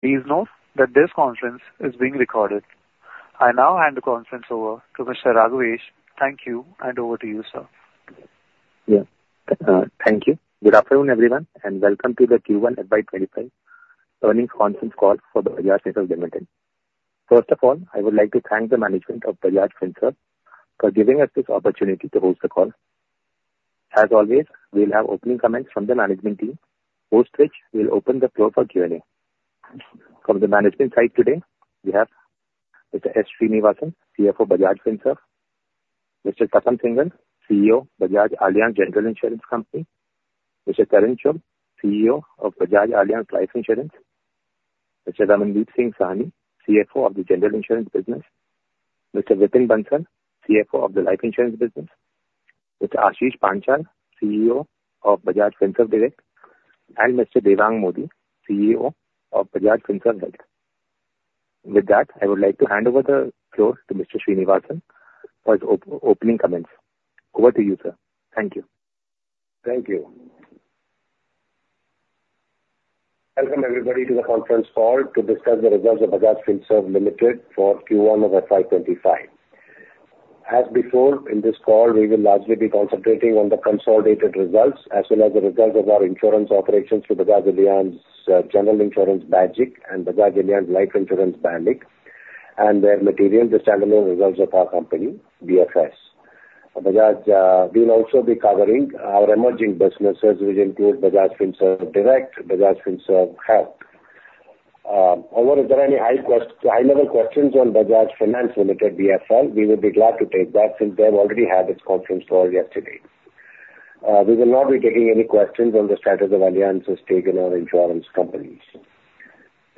Please note that this conference is being recorded. I now hand the conference over to Mr. Raghvesh. Thank you, and over to you, sir. Yeah. Thank you. Good afternoon, everyone, and welcome to the Q1 FY25 earnings conference call for the Bajaj Finserv Limited. First of all, I would like to thank the management of Bajaj Finserv for giving us this opportunity to host the call. As always, we'll have opening comments from the management team, post which we'll open the floor for Q&A. From the management side today, we have Mr. S. Sreenivasan, CFO, Bajaj Finserv; Mr. Tapan Singhel, CEO, Bajaj Allianz General Insurance Company; Mr. Tarun Chugh, CEO of Bajaj Allianz Life Insurance; Mr. Ramandeep Singh Sahni, CFO of the General Insurance Business; Mr. Vipin Bansal, CFO of the Life Insurance Business; Mr. Ashish Panchal, CEO of Bajaj Finserv Direct; and Mr. Devang Mody, CEO of Bajaj Finserv Health. With that, I would like to hand over the floor to Mr. Sreenivasan for his opening comments. Over to you, sir. Thank you. Thank you. Welcome, everybody, to the conference call to discuss the results of Bajaj Finserv Limited for Q1 of FY 25. As before, in this call, we will largely be concentrating on the consolidated results as well as the results of our insurance operations through Bajaj Allianz General Insurance, BAGIC, and Bajaj Allianz Life Insurance, BALIC, and where material, the standalone results of our company, BFS. Bajaj, we'll also be covering our emerging businesses, which include Bajaj Finserv Direct, Bajaj Finserv Health. However, if there are any high-level questions on Bajaj Finance Limited, BFL, we will be glad to take that, since they have already had its conference call yesterday. We will not be taking any questions on the status of alliances taken on insurance companies.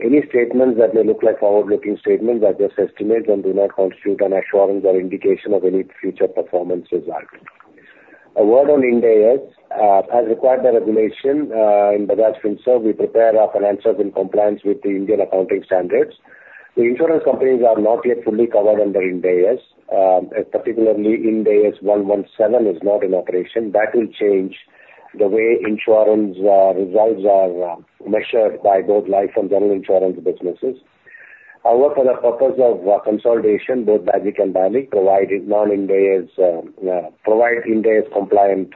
Any statements that may look like forward-looking statements are just estimates and do not constitute an assurance or indication of any future performance result. A word on Ind AS. As required by regulation, in Bajaj Finserv, we prepare our financials in compliance with the Indian accounting standards. The insurance companies are not yet fully covered under Ind AS, particularly Ind AS 117 is not in operation. That will change the way insurance results are measured by both life and general insurance businesses. However, for the purpose of consolidation, both BAGIC and BALIC provided non-Ind AS, provide Ind AS compliant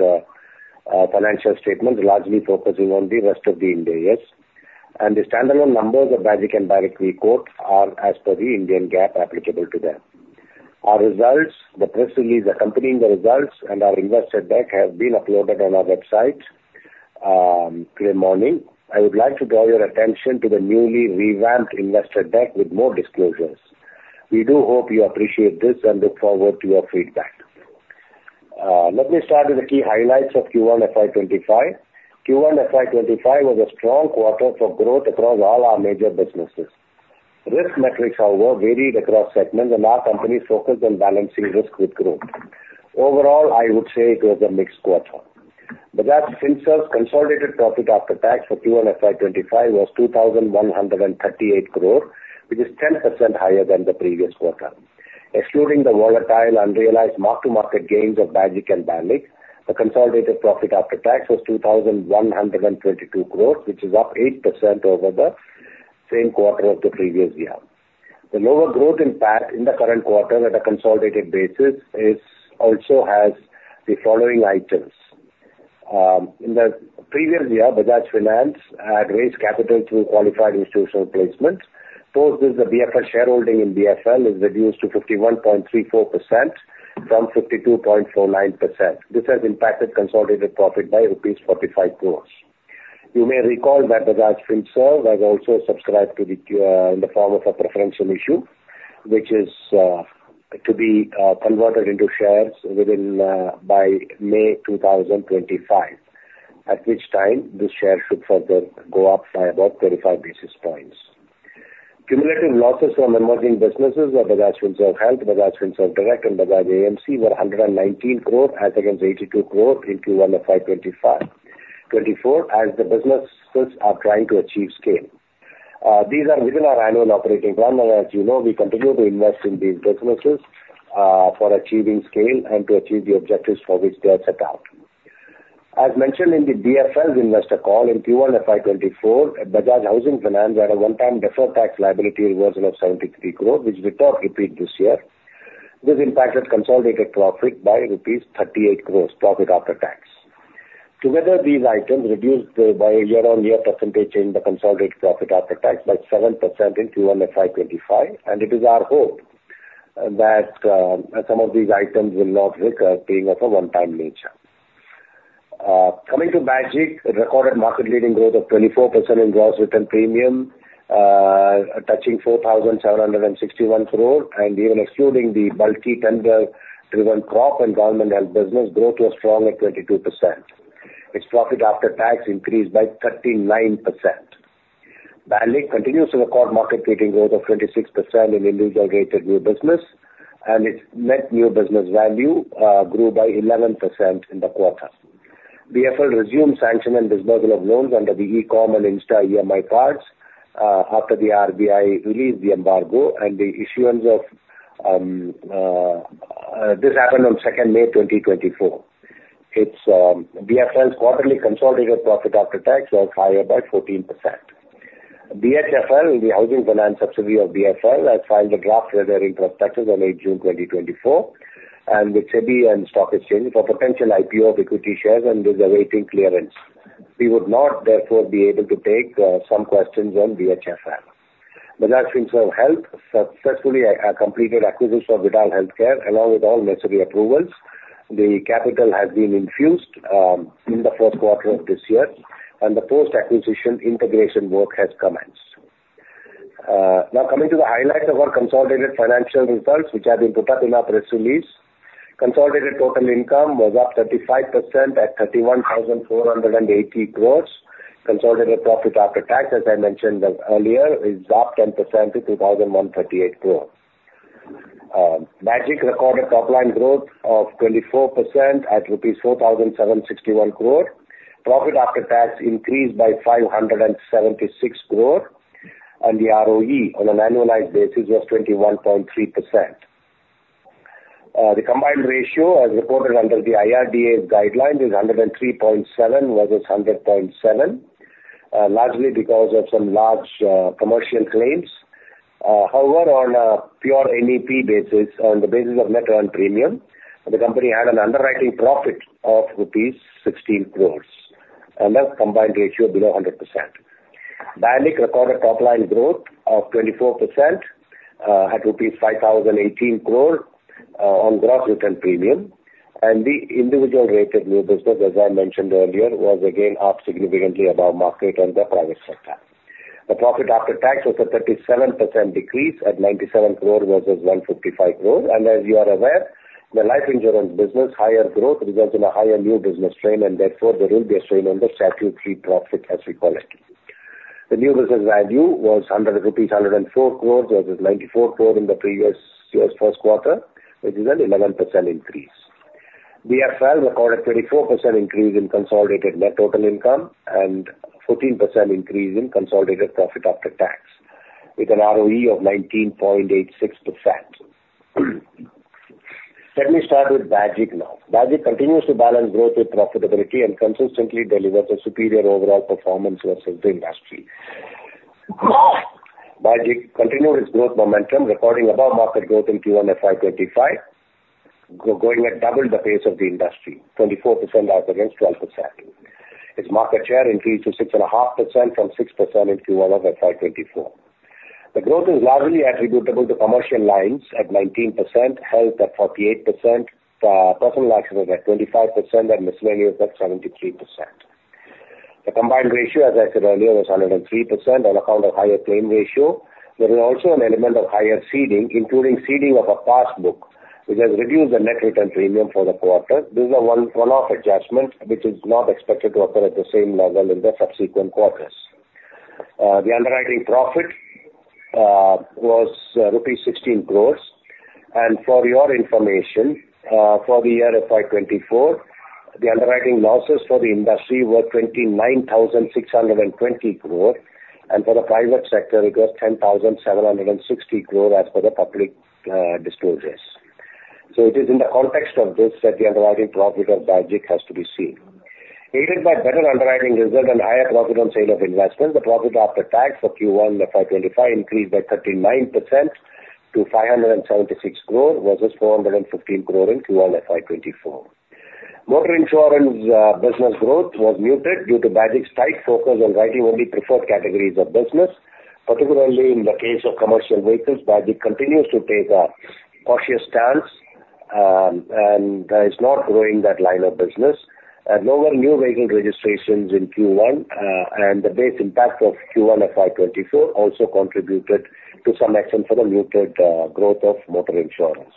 financial statements, largely focusing on the rest of the Ind AS. The standalone numbers of BAGIC and BALIC we quote are as per the Indian GAAP applicable to them. Our results, the press release accompanying the results and our investor deck have been uploaded on our website, this morning. I would like to draw your attention to the newly revamped investor deck with more disclosures. We do hope you appreciate this and look forward to your feedback. Let me start with the key highlights of Q1 FY25. Q1 FY25 was a strong quarter for growth across all our major businesses. Risk metrics, however, varied across segments, and our company focused on balancing risk with growth. Overall, I would say it was a mixed quarter. Bajaj Finserv's consolidated profit after tax for Q1 FY25 was 2,138 crore, which is 10% higher than the previous quarter. Excluding the volatile unrealized mark-to-market gains of BAGIC and BALIC, the consolidated profit after tax was 2,122 crore, which is up 8% over the same quarter of the previous year. The lower growth in PAT in the current quarter at a consolidated basis also has the following items. In the previous year, Bajaj Finance had raised capital through qualified institutional placement. Post this, the BFS shareholding in BFL is reduced to 51.34% from 52.49%. This has impacted consolidated profit by rupees 45 crore. You may recall that Bajaj Finserv has also subscribed to the QIP in the form of a preferential issue, which is to be converted into shares by May 2025, at which time this share should further go up by about 35 basis points. Cumulative losses from emerging businesses of Bajaj Finserv Health, Bajaj Finserv Direct, and Bajaj Finserv AMC were 119 crore, as against 82 crore in Q1 of FY 2024-25, as the businesses are trying to achieve scale. These are within our annual operating plan, and as you know, we continue to invest in these businesses, for achieving scale and to achieve the objectives for which they are set out. As mentioned in the BFL's investor call, in Q1 FY 2024, at Bajaj Housing Finance, we had a one-time deferred tax liability reversal of 73 crore, which we thought repeat this year. This impacted consolidated profit by rupees 38 crore profit after tax. Together, these items reduced by year-on-year percentage in the consolidated profit after tax by 7% in Q1 FY25, and it is our hope that, some of these items will not recur, being of a one-time nature. Coming to BAGIC, it recorded market-leading growth of 24% in gross written premium, touching 4,761 crore, and even excluding the multi-tender driven crop and government health business, growth was strong at 22%. Its profit after tax increased by 39%. BALIC continues to record market-leading growth of 26% in individual rated new business, and its net new business value, grew by 11% in the quarter. BFL resumed sanction and dispersal of loans under the eCom and Insta EMI cards, after the RBI released the embargo and the issuance of, this happened on 2 May 2024. It's BFL's quarterly consolidated profit after tax was higher by 14%. BHFL, the housing finance subsidiary of BFL, has filed a Draft Red Herring Prospectus on 8th June 2024, with SEBI and stock exchange for potential IPO of equity shares and is awaiting clearance. We would not, therefore, be able to take some questions on BHFL. Bajaj Finserv Health successfully completed acquisition of Vidal Healthcare, along with all necessary approvals. The capital has been infused in the first quarter of this year, and the post-acquisition integration work has commenced. Now coming to the highlights of our consolidated financial results, which have been put out in our press release. Consolidated total income was up 35% at 31,480 crore. Consolidated profit after tax, as I mentioned earlier, is up 10% to 2,138 crore. BAGIC recorded top line growth of 24% at rupees 4,761 crore. Profit after tax increased by 576 crore, and the ROE on an annualized basis was 21.3%. The combined ratio, as reported under the IRDA's guideline, is 103.7 versus 100.7, largely because of some large commercial claims. However, on a pure NEP basis, on the basis of net earned premium, the company had an underwriting profit of rupees 16 crore, and that's combined ratio below 100%. BALIC recorded top line growth of 24%, at rupees 5,018 crore, on gross written premium. And the individual rated new business, as I mentioned earlier, was again up significantly above market and the private sector. The profit after tax was a 37% decrease at 97 crore versus 155 crore. As you are aware, the life insurance business, higher growth results in a higher new business strain, and therefore there will be a strain on the statutory profit, as we call it. The new business value was 104 crore rupees versus 94 crore in the previous year's first quarter, which is an 11% increase. BFL recorded 34% increase in consolidated net total income and 14% increase in consolidated profit after tax, with an ROE of 19.86%. Let me start with BAGIC now. BAGIC continues to balance growth with profitability and consistently delivers a superior overall performance versus the industry. BAGIC continued its growth momentum, recording above-market growth in Q1 of FY 25, going at double the pace of the industry, 24% as against 12%. Its market share increased to 6.5% from 6% in Q1 of FY 24. The growth is largely attributable to commercial lines at 19%, health at 48%, personal accidents at 25% and miscellaneous at 73%. The combined ratio, as I said earlier, was 103% on account of higher claim ratio. There is also an element of higher ceding, including ceding of a past book, which has reduced the net written premium for the quarter. This is a one-off adjustment, which is not expected to occur at the same level in the subsequent quarters. The underwriting profit was rupees 16 crore. For your information, for the year FY 2024, the underwriting losses for the industry were 29,620 crore, and for the private sector it was 10,760 crore as per the public disclosures. It is in the context of this, that the underwriting profit of BAGIC has to be seen. Aided by better underwriting result and higher profit on sale of investment, the profit after tax for Q1 FY 2025 increased by 39% to 576 crore versus 415 crore in Q1 FY 2024. Motor insurance business growth was muted due to BAGIC's tight focus on writing only preferred categories of business, particularly in the case of commercial vehicles. BAGIC continues to take a cautious stance, and is not growing that line of business. Lower new vehicle registrations in Q1 and the base impact of Q1 FY 2024 also contributed to some extent for the muted growth of motor insurance.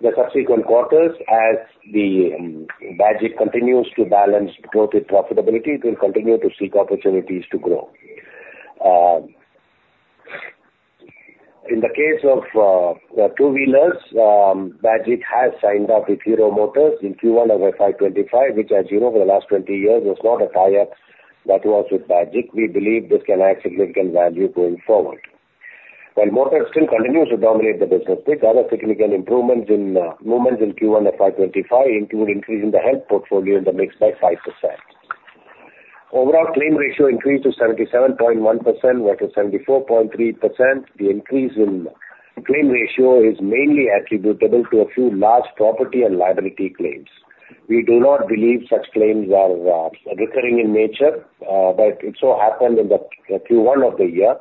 The subsequent quarters, as BAGIC continues to balance growth with profitability, it will continue to seek opportunities to grow. In the case of two-wheelers, BAGIC has signed up with Hero MotoCorp in Q1 of FY 2025, which, as you know, for the last 20 years was not a tie-up that was with BAGIC. We believe this can add significant value going forward. While motor still continues to dominate the business, with other significant improvements in movements in Q1 of FY 2025, including increasing the health portfolio in the mix by 5%. Overall claim ratio increased to 77.1% versus 74.3%. The increase in claim ratio is mainly attributable to a few large property and liability claims. We do not believe such claims are recurring in nature, but it so happened in the Q1 of the year,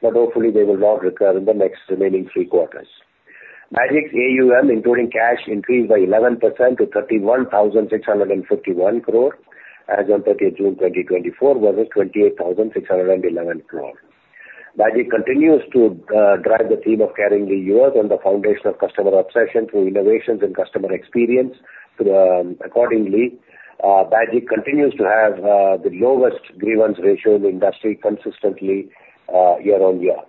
but hopefully they will not recur in the next remaining three quarters. BAGIC's AUM, including cash, increased by 11% to 31,651 crore as on 30th June 2024 versus 28,611 crore. BAGIC continues to drive the theme of carrying the years on the foundation of customer obsession through innovations in customer experience. Accordingly, BAGIC continues to have the lowest grievance ratio in the industry consistently, year on year.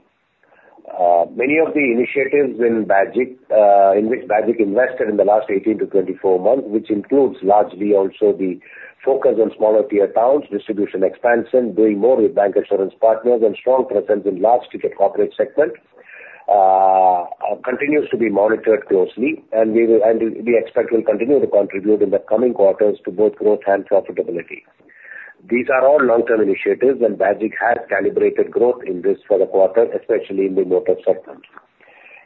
Many of the initiatives in BAGIC, in which BAGIC invested in the last 18-24 months, which includes largely also the focus on smaller tier towns, distribution expansion, doing more with bank insurance partners, and strong presence in large ticket corporate segment, continues to be monitored closely, and we expect will continue to contribute in the coming quarters to both growth and profitability. These are all long-term initiatives, and BAGIC has calibrated growth in this for the quarter, especially in the motor segment.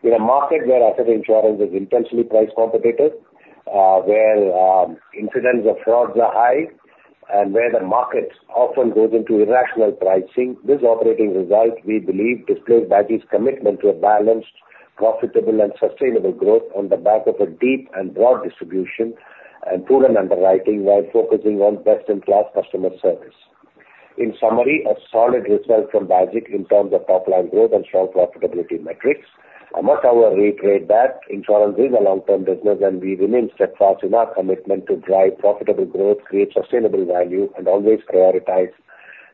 In a market where asset insurance is intensely price competitive, where incidents of frauds are high, and where the market often goes into irrational pricing, this operating result, we believe, displays BAGIC's commitment to a balanced, profitable, and sustainable growth on the back of a deep and broad distribution and prudent underwriting, while focusing on best-in-class customer service. In summary, a solid result from BAGIC in terms of top-line growth and strong profitability metrics. I must, however, reiterate that insurance is a long-term business, and we remain steadfast in our commitment to drive profitable growth, create sustainable value, and always prioritize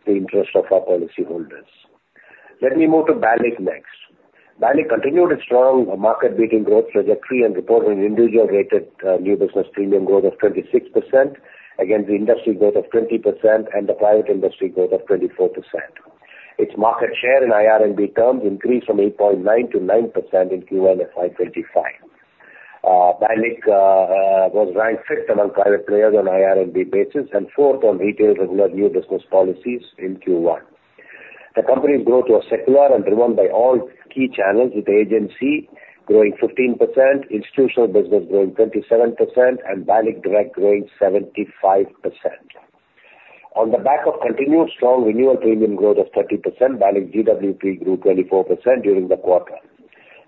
the interest of our policyholders. Let me move to BALIC next. BALIC continued its strong market-beating growth trajectory and reported an Individual Rated New Business premium growth of 26% against the industry growth of 20% and the private industry growth of 24%. Its market share in IRNB terms increased from 8.9 to 9% in Q1 of FY 2025. BALIC was ranked 5th among private players on IRNB basis, and 4th on retail regular new business policies in Q1. The company's growth was secular and driven by all key channels, with agency growing 15%, institutional business growing 27%, and BALIC direct growing 75%. On the back of continued strong renewal premium growth of 30%, BALIC GWP grew 24% during the quarter.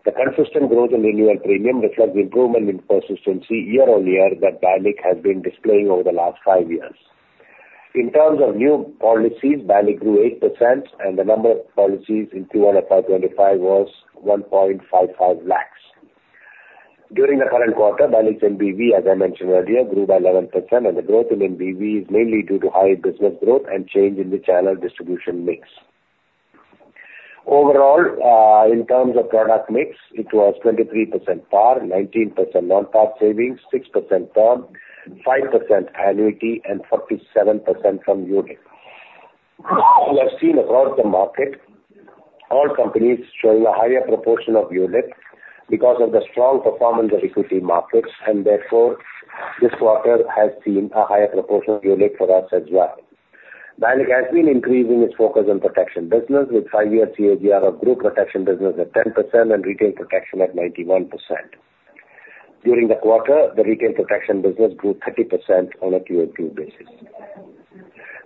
The consistent growth in renewal premium reflects improvement in persistency year-on-year that BALIC has been displaying over the last five years. In terms of new policies, BALIC grew 8%, and the number of policies in Q1 of FY 2025 was 1.55 lakhs. During the current quarter, BALIC MBV, as I mentioned earlier, grew by 11%, and the growth in MBV is mainly due to higher business growth and change in the channel distribution mix. Overall, in terms of product mix, it was 23% par, 19% non-par savings, 6% term, 5% annuity, and 47% from unit. We have seen across the market all companies showing a higher proportion of unit because of the strong performance of equity markets, and therefore, this quarter has seen a higher proportion of unit for us as well. BALIC has been increasing its focus on protection business, with 5-year CAGR of group protection business at 10% and retail protection at 91%. During the quarter, the retail protection business grew 30% on a QOQ basis.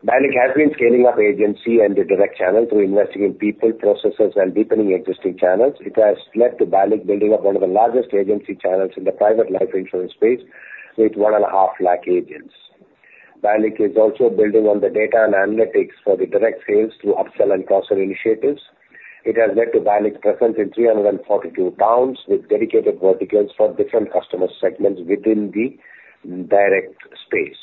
BALIC has been scaling up agency and the direct channel through investing in people, processes, and deepening existing channels. It has led to BALIC building up one of the largest agency channels in the private life insurance space, with 150,000 agents. BALIC is also building on the data and analytics for the direct sales through upsell and cross-sell initiatives. It has led to BALIC's presence in 342 towns, with dedicated verticals for different customer segments within the direct space.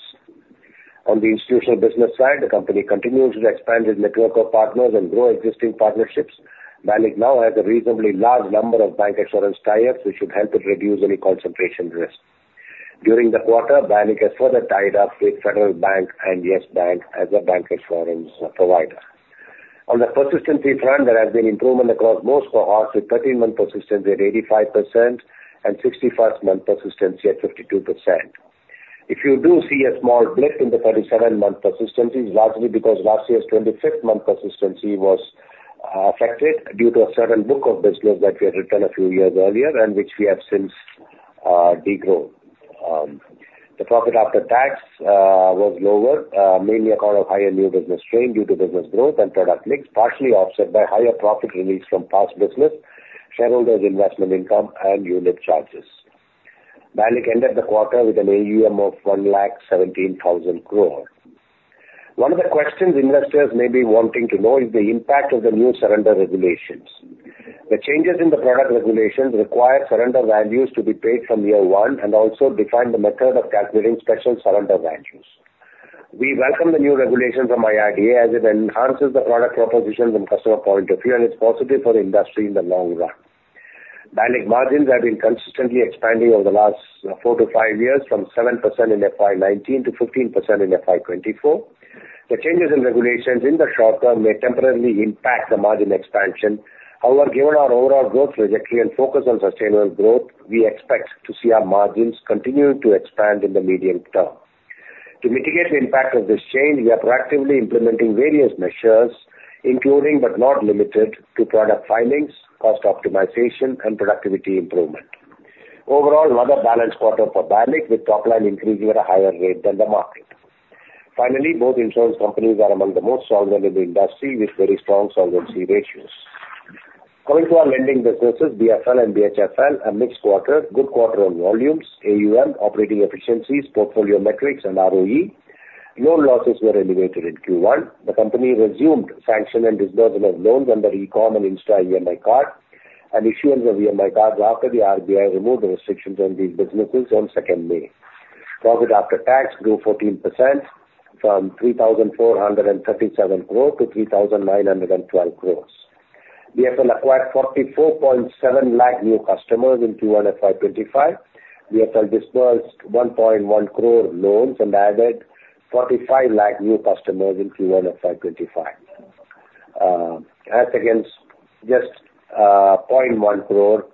On the institutional business side, the company continues to expand its network of partners and grow existing partnerships. BALIC now has a reasonably large number of bank insurance tie-ups, which should help it reduce any concentration risk. During the quarter, BALIC has further tied up with Federal Bank and Yes Bank as a bank insurance provider. On the persistency front, there has been improvement across most cohorts, with 13-month persistency at 85% and 65-month persistency at 52%. If you do see a small blip in the 37-month persistency, it's largely because last year's 25th month persistency was affected due to a certain book of business that we had written a few years earlier and which we have since de-grown. The profit after tax was lower, mainly on account of higher new business strain due to business growth and product mix, partially offset by higher profit release from past business, shareholders investment income, and unit charges. BALIC ended the quarter with an AUM of 1,17,000 crore. One of the questions investors may be wanting to know is the impact of the new surrender regulations. The changes in the product regulations require surrender values to be paid from year 1 and also define the method of calculating special surrender values. We welcome the new regulation from IRDA as it enhances the product propositions from customer point of view, and it's positive for the industry in the long run. BALIC margins have been consistently expanding over the last 4-5 years, from 7% in FY 2019 to 15% in FY 2024. The changes in regulations in the short term may temporarily impact the margin expansion. However, given our overall growth trajectory and focus on sustainable growth, we expect to see our margins continuing to expand in the medium term. To mitigate the impact of this change, we are proactively implementing various measures, including but not limited to product filings, cost optimization, and productivity improvement. Overall, another balanced quarter for BALIC, with top line increasing at a higher rate than the market. Finally, both insurance companies are among the most solvent in the industry, with very strong solvency ratios. Coming to our lending businesses, BFL and BHFL, a mixed quarter, good quarter on volumes, AUM, operating efficiencies, portfolio metrics, and ROE. Loan losses were elevated in Q1. The company resumed sanction and disbursement of loans under eCom and Insta EMI card and issuance of EMI card after the RBI removed the restrictions on these businesses on May 2. Profit after tax grew 14% from 3,437 crore to 3,912 crores. BFL acquired 44.7 lakh new customers in Q1 of FY 2025. BFL disbursed 1.1 crore loans and added 45 lakh new customers in Q1 of FY 2025.... As against just point one crore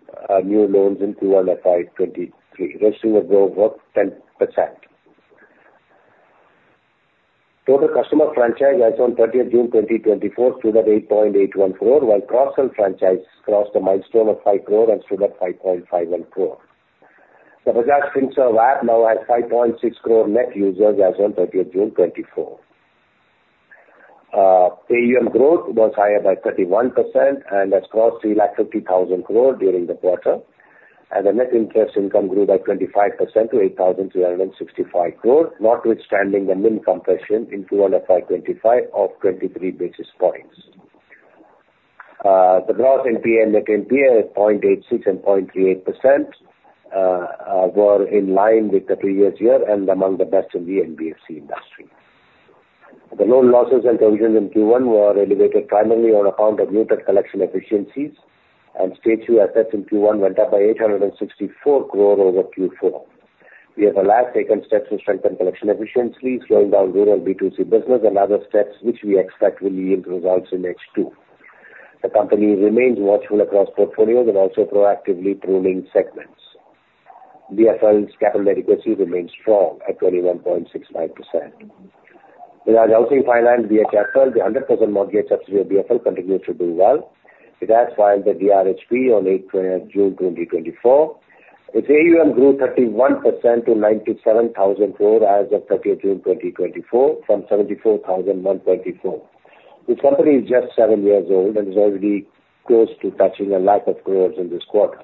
new loans in Q1 of FY 2023, registering a growth of 10%. Total customer franchise as on thirtieth June 2024 stood at 8.81 crore, while cross-sell franchise crossed the milestone of five crore and stood at 5.51 crore. The Bajaj Finserv App now has 5.6 crore net users as on thirtieth June 2024. AUM growth was higher by 31% and has crossed 350,000 crore during the quarter, and the net interest income grew by 25% to 8,365 crore, notwithstanding the NIM compression in Q1 of FY 2025 of 23 basis points. The gross NPA and net NPA at 0.86% and 0.38% were in line with the previous year and among the best in the NBFC industry. The loan losses and provisions in Q1 were elevated primarily on account of muted collection efficiencies, and stage two assets in Q1 went up by 864 crore over Q4. We have already taken steps to strengthen collection efficiencies, slowing down rural B2C business and other steps which we expect will yield results in H2. The company remains watchful across portfolios and also proactively pruning segments. BFL's capital adequacy remains strong at 21.65%. Bajaj Housing Finance, BHFL, the 100% mortgage subsidiary of BFL, continues to do well. It has filed the DRHP on 8th June 2024. Its AUM grew 31% to 97,000 crore as of 30th June 2024 from 74,000 in 2024. The company is just 7 years old and is already close to touching a lakh of crores in this quarter,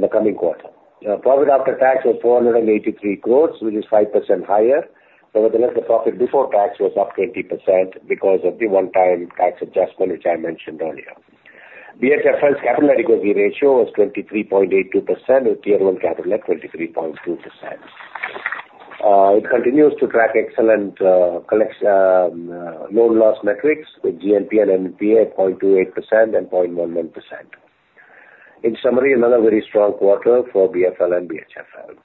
the coming quarter. The profit after tax was 483 crore, which is 5% higher, however, the net profit before tax was up 20% because of the one-time tax adjustment, which I mentioned earlier. BHFL's capital adequacy ratio was 23.82%, with tier one capital at 23.2%. It continues to track excellent, collect, loan loss metrics with GNP and NPA at 0.28% and 0.11%. In summary, another very strong quarter for BFL and BHFL.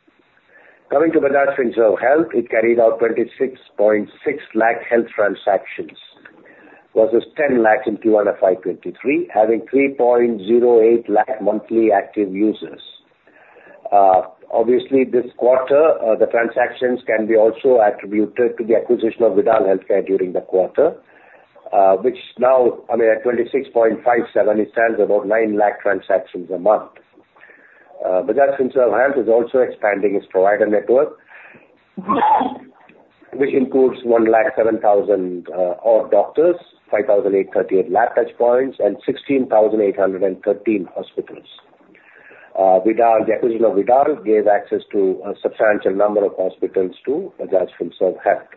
Coming to Bajaj Finserv Health, it carried out 26.6 lakh health transactions versus 10 lakh in Q1 of FY 2023, having 3.08 lakh monthly active users. Obviously this quarter, the transactions can be also attributed to the acquisition of Vidal Healthcare during the quarter, which now, I mean, at 26.57, it stands about 9 lakh transactions a month. Bajaj Finserv Health is also expanding its provider network, which includes 107,000 odd doctors, 5,838 lab touchpoints, and 16,813 hospitals. Vidal, the acquisition of Vidal gave access to a substantial number of hospitals to Bajaj Finserv Health.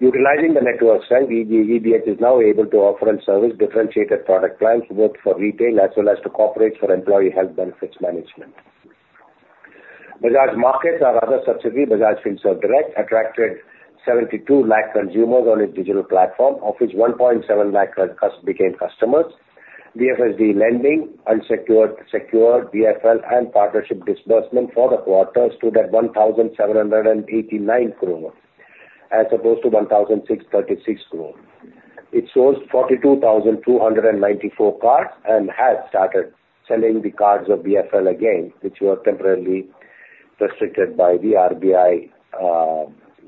Utilizing the network strength, BFH is now able to offer and service differentiated product lines, both for retail as well as to corporate for employee health benefits management. Bajaj Markets, our other subsidiary, Bajaj Finserv Direct, attracted 72 lakh consumers on its digital platform, of which 1.7 lakh became customers. BFSD lending, unsecured, secured, BFL, and partnership disbursement for the quarter stood at 1,789 crore, as opposed to 1,636 crore. It sourced 42,294 cards and has started selling the cards of BFL again, which were temporarily restricted by the RBI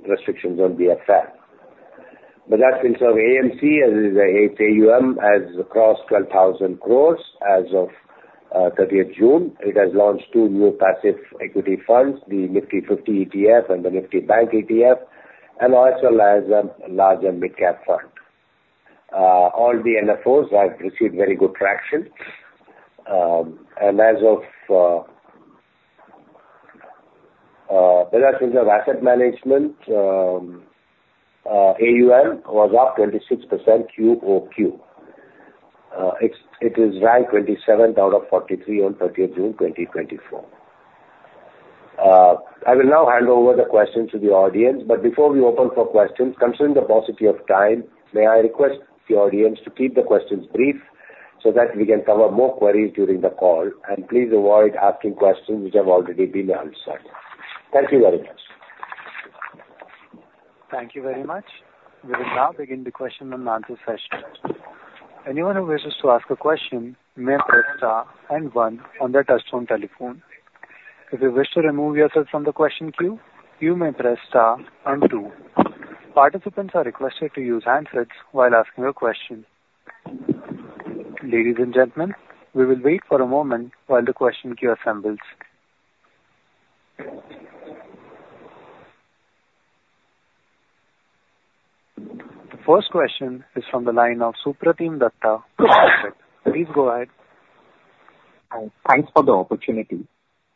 restrictions on BFL. Bajaj Finserv AMC, as is its AUM, has crossed 12,000 crore as of thirtieth June. It has launched two new passive equity funds, the Nifty 50 ETF and the Nifty Bank ETF, and also has a large and mid-cap fund. All the NFOs have received very good traction. And as of Bajaj Finserv Asset Management AUM was up 26% QOQ. It is ranked 27th out of 43 on 30th June 2024. I will now hand over the questions to the audience, but before we open for questions, considering the paucity of time, may I request the audience to keep the questions brief so that we can cover more queries during the call, and please avoid asking questions which have already been answered. Thank you very much. Thank you very much. We will now begin the question and answer session. Anyone who wishes to ask a question may press star and one on their touchtone telephone. If you wish to remove yourself from the question queue, you may press star and two. Participants are requested to use handsets while asking a question. Ladies and gentlemen, we will wait for a moment while the question queue assembles. The first question is from the line of Supratim Datta. Please go ahead. Thanks for the opportunity.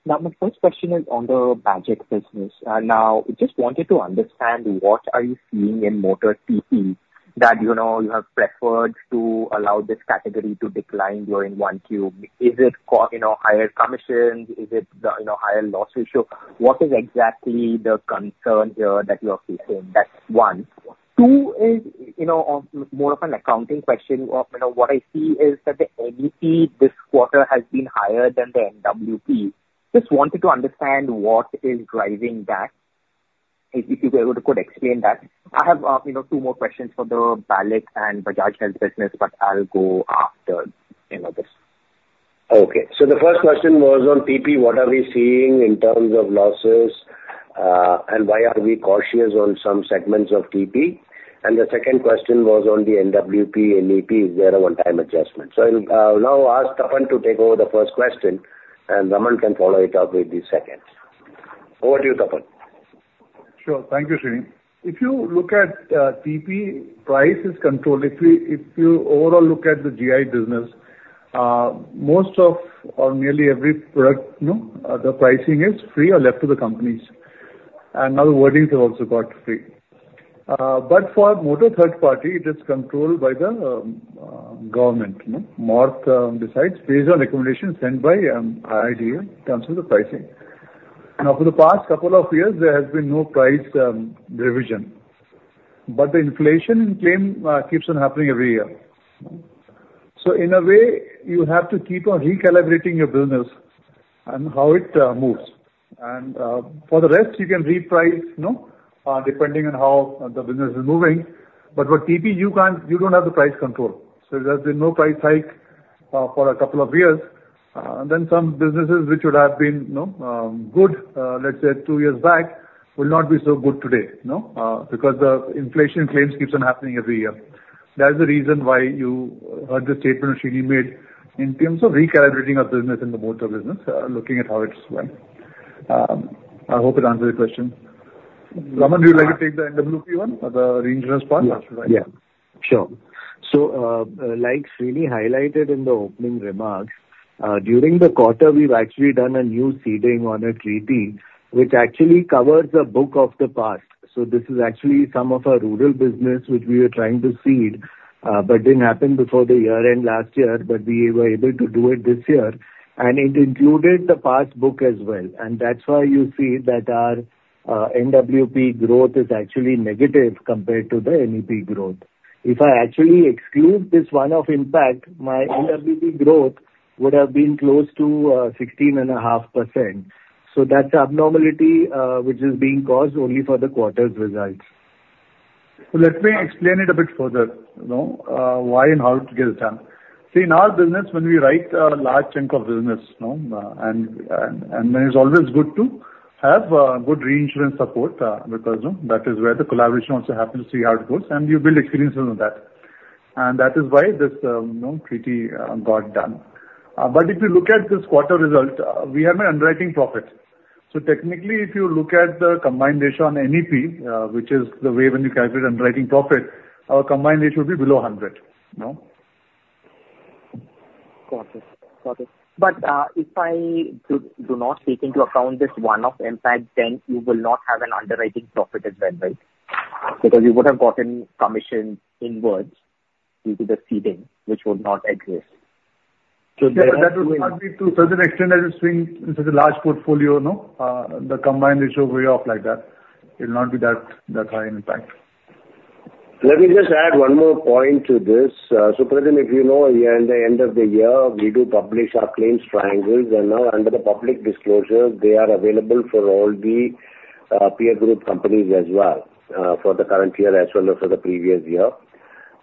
Now, my first question is on the Bajaj business. Now, just wanted to understand, what are you seeing in motor CE that, you know, you have preferred to allow this category to decline during 1Q? Is it cost, you know, higher commissions? Is it, the, you know, higher loss ratio? What is exactly the concern here that you are facing? That's one. Two is, you know, more of an accounting question of, you know, what I see is that the NEP this quarter has been higher than the NWP. Just wanted to understand what is driving that? If you were able to, could you explain that. I have, you know, two more questions for the Bala and Bajaj Health business, but I'll go after, you know, this. Okay. So the first question was on TP: What are we seeing in terms of losses, and why are we cautious on some segments of TP? And the second question was on the NWP, NEP, is there a one-time adjustment? So I'll now ask Tapan to take over the first question, and Ramandeep can follow it up with the second. Over to you, Tapan. Sure. Thank you, Srini. If you look at TP, price is controlled. If you overall look at the GI business, most of or nearly every product, you know, the pricing is free or left to the companies, and now the wordings have also got free. But for motor third party, it is controlled by the government, you know? MORTH decides based on recommendations sent by IRDA in terms of the pricing. And over the past couple of years, there has been no price revision, but the inflation claim keeps on happening every year. So in a way, you have to keep on recalibrating your business and how it moves. And for the rest, you can reprice, you know, depending on how the business is moving. But for TP, you can't. You don't have the price control. So there's been no price hike for a couple of years, and then some businesses which would have been, you know, good, let's say two years back, will not be so good today, you know? Because the inflation claims keeps on happening every year. That is the reason why you heard the statement Srini made in terms of recalibrating our business in the motor business, looking at how it's run. I hope it answers your question. Raman, would you like to take the NWP one or the reinsurance part? Yeah. Yeah, sure. So, like Srini highlighted in the opening remarks, during the quarter, we've actually done a new ceding on a treaty, which actually covers the book of the past. So this is actually some of our rural business which we were trying to cede, but didn't happen before the year end last year, but we were able to do it this year, and it included the past book as well. And that's why you see that our NWP growth is actually negative compared to the NEP growth. If I actually exclude this one-off impact, my NWP growth would have been close to 16.5%. So that's the abnormality which is being caused only for the quarter's results. So let me explain it a bit further, you know, why and how it gets done. See, in our business, when we write a large chunk of business, you know, and it's always good to have good reinsurance support, because, you know, that is where the collaboration also happens to see how it goes, and you build experiences on that. And that is why this, you know, treaty got done. But if you look at this quarter result, we have an underwriting profit. So technically, if you look at the combined ratio on NEP, which is the way when you calculate underwriting profit, our combined ratio will be below 100, you know? Got it. Got it. But if I do not take into account this one-off impact, then you will not have an underwriting profit as well, right? Because you would have gotten commission inwards due to the ceding, which would not exist. So that would not be to such an extent as you're seeing in such a large portfolio, no? The Combined Ratio way off like that, it'll not be that high impact. Let me just add one more point to this. So Prajin, you know, in the end of the year, we do publish our claims triangles, and now under the public disclosure, they are available for all the peer group companies as well, for the current year as well as for the previous year.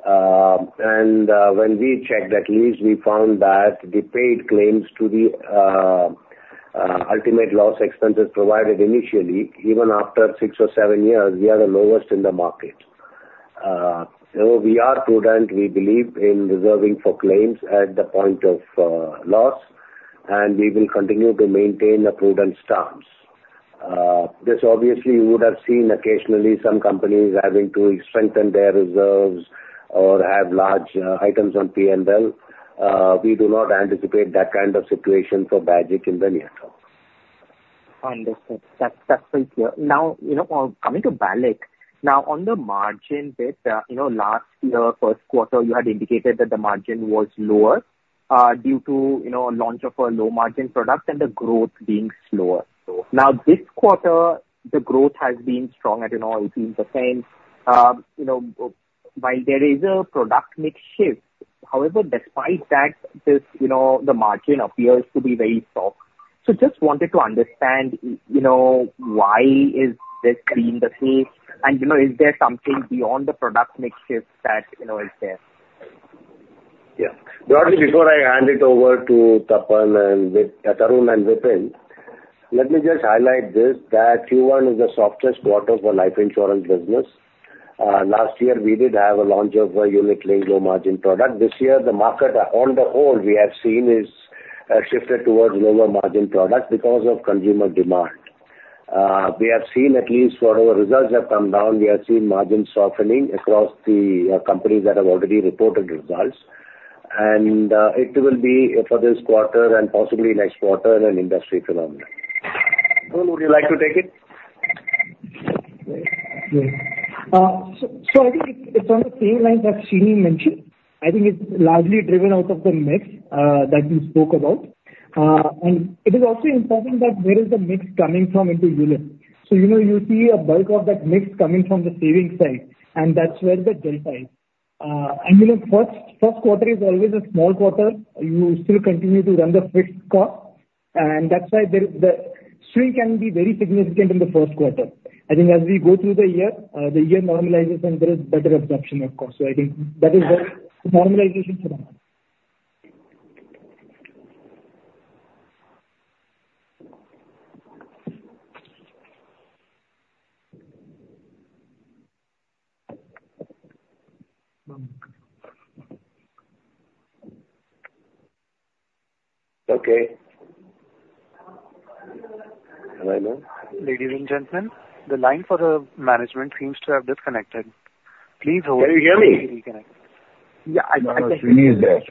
And when we checked at least, we found that the paid claims to the ultimate loss expenses provided initially, even after six or seven years, we are the lowest in the market. So we are prudent. We believe in reserving for claims at the point of loss, and we will continue to maintain the prudent stance. This obviously, you would have seen occasionally some companies having to strengthen their reserves or have large items on P&L. We do not anticipate that kind of situation for Bajaj in the near term. Understood. That's, that's pretty clear. Now, you know, coming to BALIC, now, on the margin bit, you know, last year, first quarter, you had indicated that the margin was lower, due to, you know, launch of a low-margin product and the growth being slower. So now this quarter, the growth has been strong at, you know, 18%. You know, while there is a product mix shift, however, despite that, this, you know, the margin appears to be very soft. So just wanted to understand, you know, why is this being the case? And, you know, is there something beyond the product mix shift that you know is there? Yeah. Before I hand it over to Tapan and Tarun and Vipin, let me just highlight this, that Q1 is the softest quarter for life insurance business. Last year, we did have a launch of a uniquely low-margin product. This year, the market on the whole, we have seen, is shifted towards lower-margin products because of consumer demand. We have seen at least for our results have come down, we have seen margins softening across the companies that have already reported results. And it will be for this quarter and possibly next quarter an industry phenomenon. Tarun, would you like to take it? Yeah. So, so I think it's on the same line that Srini mentioned. I think it's largely driven out of the mix that you spoke about. And it is also important that where is the mix coming from into ULIP? So, you know, you see a bulk of that mix coming from the savings side, and that's where the delta is. And, you know, first quarter is always a small quarter. You still continue to run the fixed cost.... And that's why there, the swing can be very significant in the first quarter. I think as we go through the year, the year normalizes and there is better absorption, of course. So I think that is the normalization for now. Okay. Hello? Ladies and gentlemen, the line for the management seems to have disconnected. Please hold. Can you hear me? Yeah, I can. Srini is there.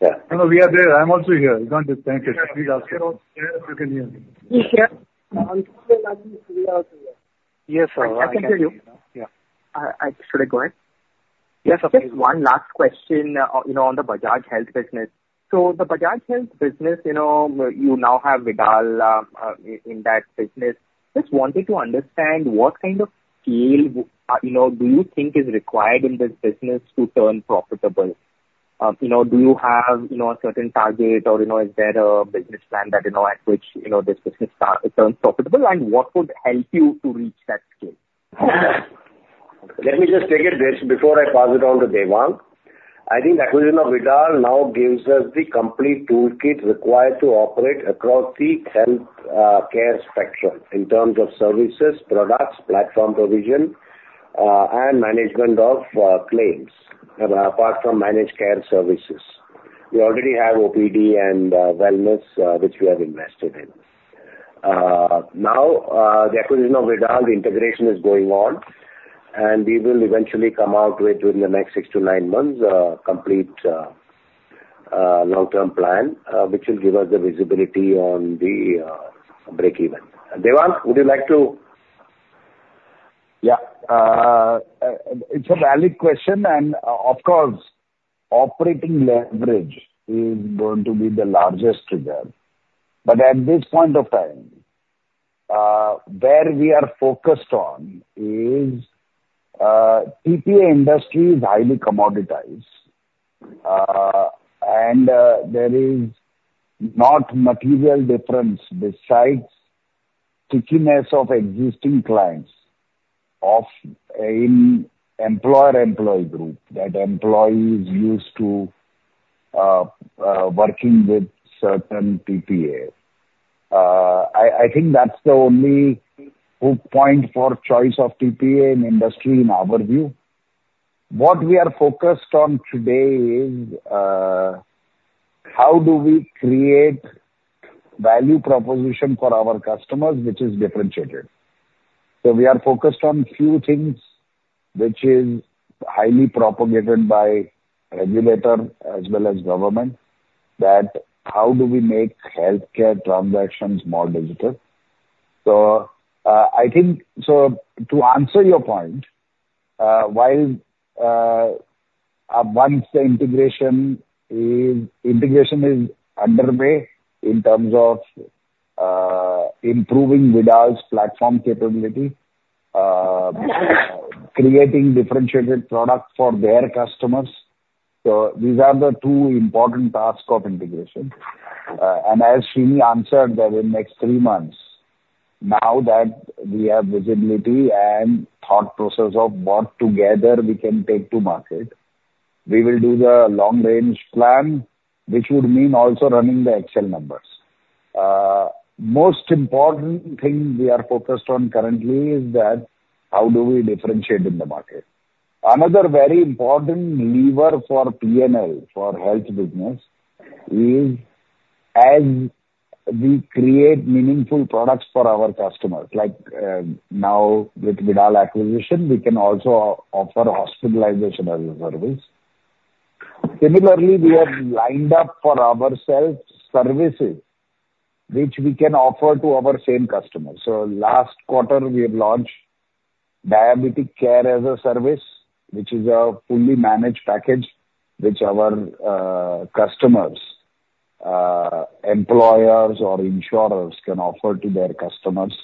Yeah. No, no, we are there. I'm also here. We aren't disconnected. You can hear me. We hear. Yes, I can hear you. I can hear you. Yeah. Should I go ahead? Yes, okay. Just one last question, you know, on the Bajaj Health business. So the Bajaj Health business, you know, you now have Vidal in that business. Just wanted to understand what kind of scale, you know, do you think is required in this business to turn profitable? You know, do you have, you know, a certain target or, you know, is there a business plan that you know, at which, you know, this business turn, it turns profitable, and what would help you to reach that scale? Let me just take it this before I pass it on to Devang. I think the acquisition of Vidal now gives us the complete toolkit required to operate across the health care spectrum in terms of services, products, platform provision, and management of claims, apart from managed care services. We already have OPD and wellness, which we have invested in. Now, the acquisition of Vidal, the integration is going on, and we will eventually come out with within the next six to nine months complete long-term plan, which will give us the visibility on the break even. Devang, would you like to? Yeah. It's a valid question, and of course, operating leverage is going to be the largest trigger. But at this point of time, where we are focused on is, TPA industry is highly commoditized, and there is not material difference besides stickiness of existing clients of, in employer-employee group, that employee is used to working with certain TPAs. I think that's the only whole point for choice of TPA in industry in our view. What we are focused on today is, how do we create value proposition for our customers, which is differentiated. So we are focused on few things, which is highly propagated by regulator as well as government, that how do we make healthcare transactions more digital? So, I think, so to answer your point, while, once the integration is... Integration is underway in terms of improving Vidal's platform capability, creating differentiated products for their customers. So these are the two important tasks of integration. And as Srini answered that in next three months, now that we have visibility and thought process of what together we can take to market, we will do the long-range plan, which would mean also running the actual numbers. Most important thing we are focused on currently is that how do we differentiate in the market? Another very important lever for PNL, for health business, is as we create meaningful products for our customers, like now with Vidal acquisition, we can also offer hospitalization as a service. Similarly, we have lined up for ourselves services which we can offer to our same customers. So last quarter, we have launched diabetic care as a service, which is a fully managed package, which our customers, employers or insurers can offer to their customers.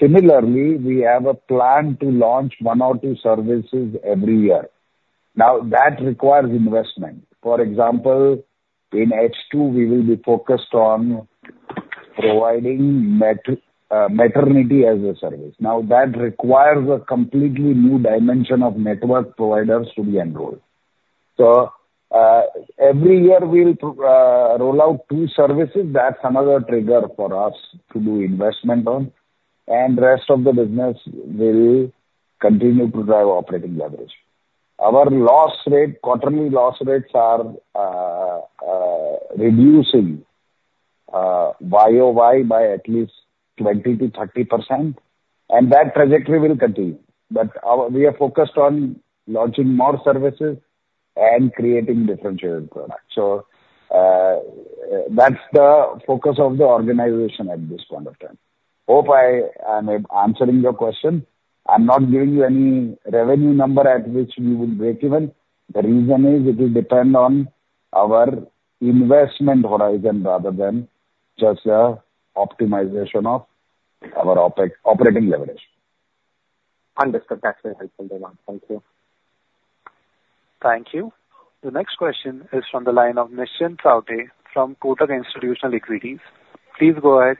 Similarly, we have a plan to launch one or two services every year. Now, that requires investment. For example, in H2, we will be focused on providing maternity as a service. Now, that requires a completely new dimension of network providers to be enrolled. So, every year we'll roll out two services. That's another trigger for us to do investment on, and rest of the business will continue to drive operating leverage. Our loss rate, quarterly loss rates are reducing YOY by at least 20%-30%, and that trajectory will continue. But our we are focused on launching more services and creating differentiated products. So, that's the focus of the organization at this point of time. Hope I am answering your question. I'm not giving you any revenue number at which we will break even. The reason is it will depend on our investment horizon rather than just the optimization of our operating leverage. Understood. That's very helpful, Devang. Thank you. ... Thank you. The next question is from the line of Nischint Chawathe from Kotak Institutional Equities. Please go ahead.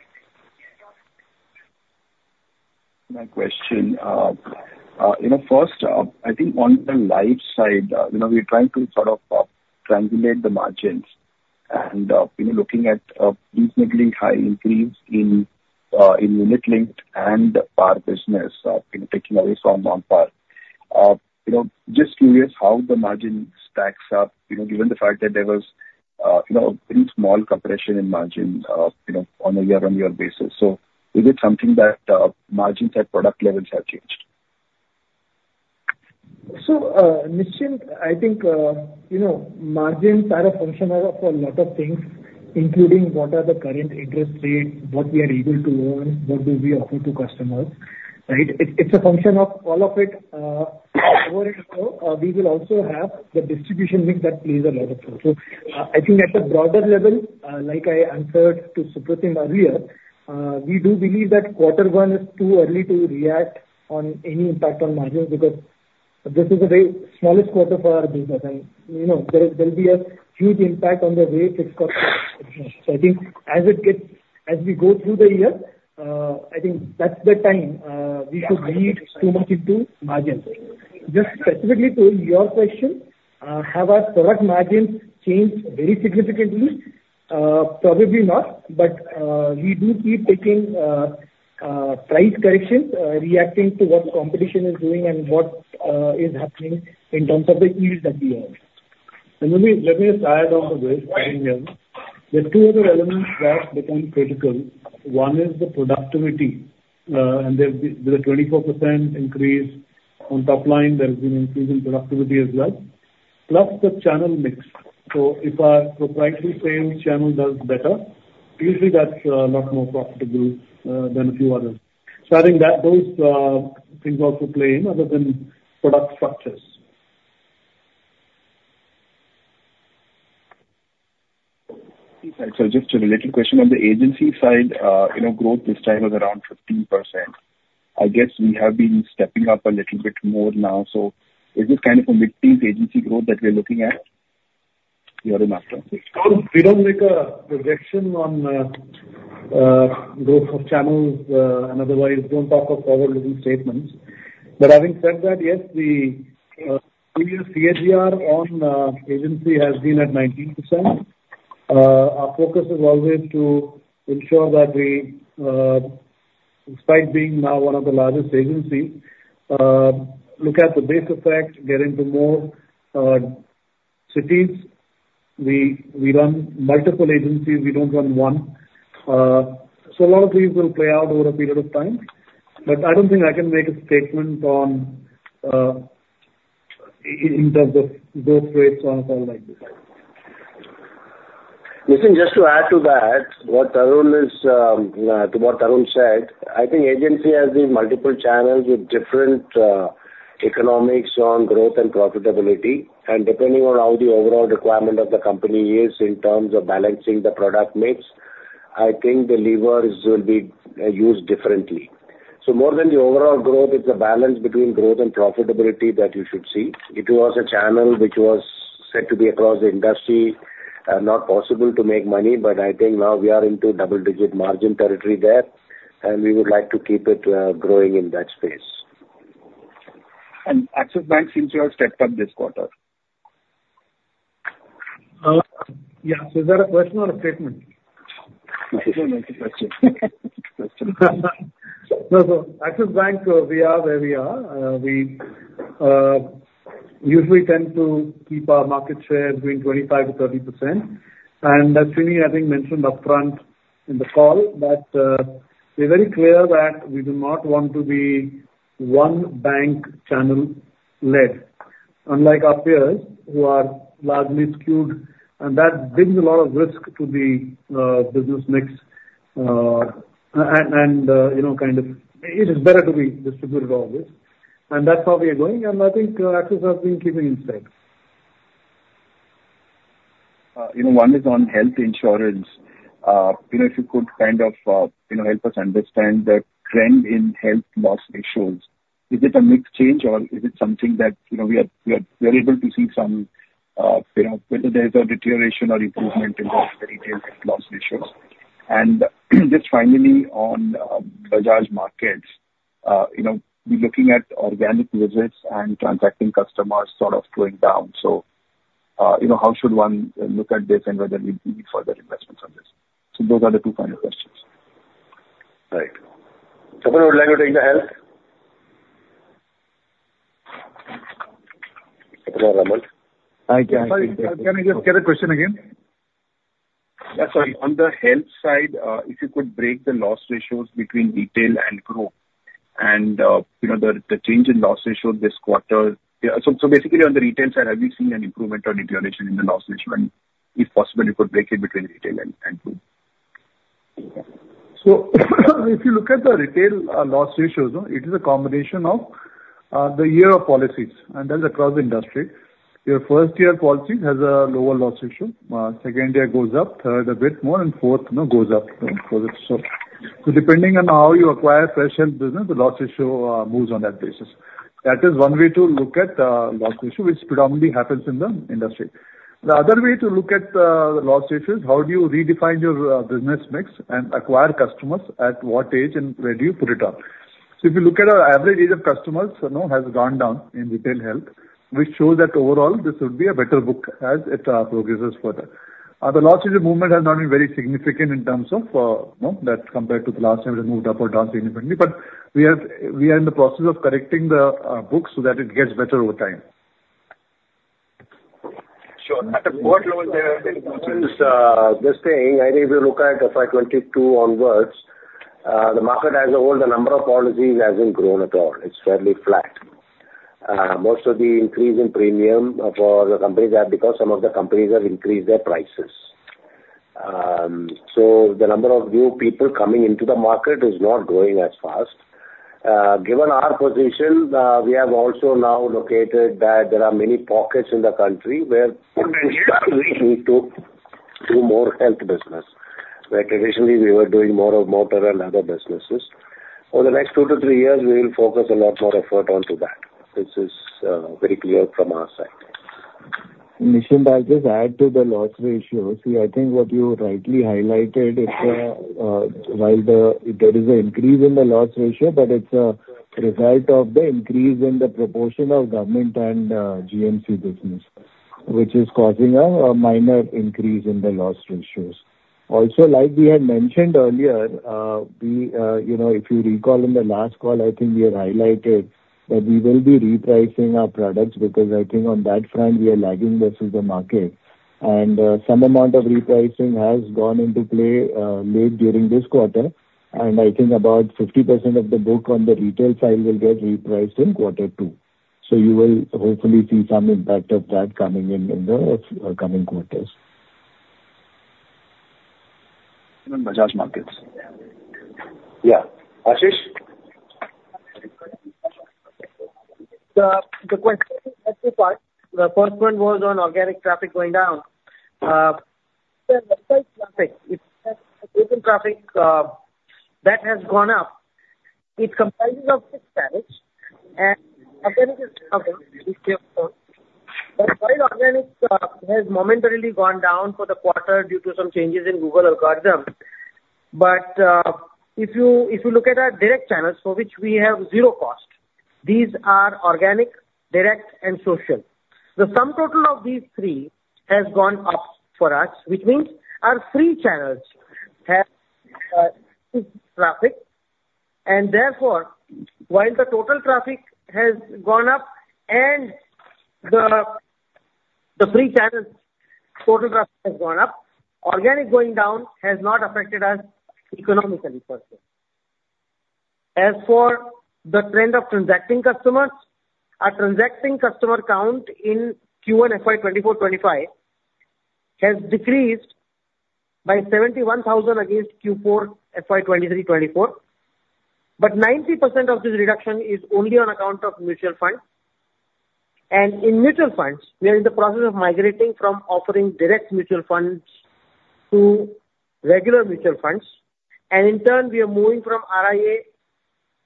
My question, you know, first, I think on the life side, you know, we're trying to sort of translate the margins and, you know, looking at reasonably high increase in in unit linked and pure business, you know, taking away from non-par. You know, just curious how the margin stacks up, you know, given the fact that there was you know, very small compression in margins, you know, on a year-on-year basis. So is it something that margins at product levels have changed? So, Nischint, I think, you know, margins are a function of a lot of things, including what are the current interest rates, what we are able to earn, what do we offer to customers, right? It's a function of all of it. However, we will also have the distribution mix that plays a lot of role. So, I think at a broader level, like I answered to Supratim earlier, we do believe that quarter one is too early to react on any impact on margins, because this is a very smallest quarter for our business, and, you know, there'll be a huge impact on the rate it got. So I think as we go through the year, I think that's the time, we should read too much into margins. Just specifically to your question, have our product margins changed very significantly? Probably not, but we do keep taking price corrections, reacting to what competition is doing and what is happening in terms of the yield that we earn. And let me, let me just add on to this. There are two other elements that become critical. One is the productivity, and there, there's a 24% increase on top line. There's been an increase in productivity as well, plus the channel mix. So if our proprietary sales channel does better, usually that's a lot more profitable than a few others. So I think that those things also play in other than product structures. So just a little question on the agency side. You know, growth this time was around 15%. I guess we have been stepping up a little bit more now, so is this kind of a mid-teens agency growth that we're looking at? You are the master. We don't make a projection on growth of channels, and otherwise don't talk of forward-looking statements. But having said that, yes, the previous CAGR on agency has been at 19%. Our focus is always to ensure that we, despite being now one of the largest agencies, look at the base effect, get into more cities. We run multiple agencies, we don't run one. So a lot of these will play out over a period of time, but I don't think I can make a statement on in terms of growth rates on something like this. Listen, just to add to that, what Tarun is, to what Tarun said, I think agency has these multiple channels with different, economics on growth and profitability, and depending on how the overall requirement of the company is in terms of balancing the product mix, I think the levers will be, used differently. So more than the overall growth, it's a balance between growth and profitability that you should see. It was a channel which was said to be across the industry, not possible to make money, but I think now we are into double-digit margin territory there, and we would like to keep it, growing in that space. Axis Bank, since you have stepped up this quarter. Yeah. So is that a question or a statement? It's a question. Question. No, so Axis Bank, we are where we are. We usually tend to keep our market share between 25%-30%. And as Sreeni, I think, mentioned upfront in the call that, we're very clear that we do not want to be one bank channel-led, unlike our peers, who are largely skewed, and that brings a lot of risk to the business mix. And, you know, kind of... It is better to be distributed always, and that's how we are going, and I think, Axis has been keeping in step. You know, one is on health insurance. You know, if you could kind of, you know, help us understand the trend in health loss ratios. Is it a mixed change or is it something that, you know, we are able to see some, you know, whether there's a deterioration or improvement in those retail loss ratios? And just finally on, Bajaj Markets, you know, we're looking at organic visits and transacting customers sort of going down. So, you know, how should one look at this and whether we need further investments on this? So those are the two final questions. Right. Someone would like to take the health? Ramon? I can. Sorry, can I just get the question again? Yeah, sorry. On the health side, if you could break the loss ratios between retail and growth and, you know, the change in loss ratio this quarter. Yeah, so basically on the retail side, have you seen an improvement or deterioration in the loss ratio? And if possible, you could break it between retail and growth. So if you look at the retail loss ratios, no, it is a combination of the year of policies, and that's across the industry. Your first-year policies has a lower loss ratio. Second year goes up, third a bit more, and fourth, you know, goes up for the... So, so depending on how you acquire fresh health business, the loss ratio moves on that basis.... That is one way to look at, loss ratio, which predominantly happens in the industry. The other way to look at, the loss ratio is how do you redefine your, business mix and acquire customers, at what age and where do you put it up? So if you look at our average age of customers, you know, has gone down in retail health, which shows that overall this would be a better book as it, progresses further. The loss ratio movement has not been very significant in terms of, you know, that compared to the last time it moved up or down significantly, but we are in the process of correcting the, books so that it gets better over time. Sure. At a quarter level, there has been this thing, and if you look at FY 2022 onwards, the market as a whole, the number of policies hasn't grown at all, it's fairly flat. Most of the increase in premium for the companies are because some of the companies have increased their prices. So the number of new people coming into the market is not growing as fast. Given our position, we have also now located that there are many pockets in the country where we need to do more health business, where traditionally we were doing more of motor and other businesses. Over the next two to three years, we will focus a lot more effort onto that. This is very clear from our side. Nischint, I'll just add to the loss ratio. See, I think what you rightly highlighted is, while there is an increase in the loss ratio, but it's a result of the increase in the proportion of government and, GMC business, which is causing a minor increase in the loss ratios. Also, like we had mentioned earlier, we, you know, if you recall in the last call, I think we had highlighted that we will be repricing our products, because I think on that front, we are lagging versus the market. And, some amount of repricing has gone into play, late during this quarter, and I think about 50% of the book on the retail side will get repriced in quarter two. So you will hopefully see some impact of that coming in the coming quarters. From Bajaj Markets. Yeah. Ashish? The question has two parts. The first one was on organic traffic going down. In traffic, it's total traffic, that has gone up. It comprises of six channels, and organic is one. But while organic, has momentarily gone down for the quarter due to some changes in Google algorithm, but, if you, if you look at our direct channels, for which we have zero cost, these are organic, direct, and social. The sum total of these three has gone up for us, which means our free channels have traffic, and therefore, while the total traffic has gone up and the, the free channels total traffic has gone up, organic going down has not affected us economically, per se. As for the trend of transacting customers, our transacting customer count in Q1 FY 2024-25 has decreased by 71,000 against Q4 FY 2023-24, but 90% of this reduction is only on account of mutual funds. And in mutual funds, we are in the process of migrating from offering direct mutual funds to regular mutual funds, and in turn, we are moving from RIA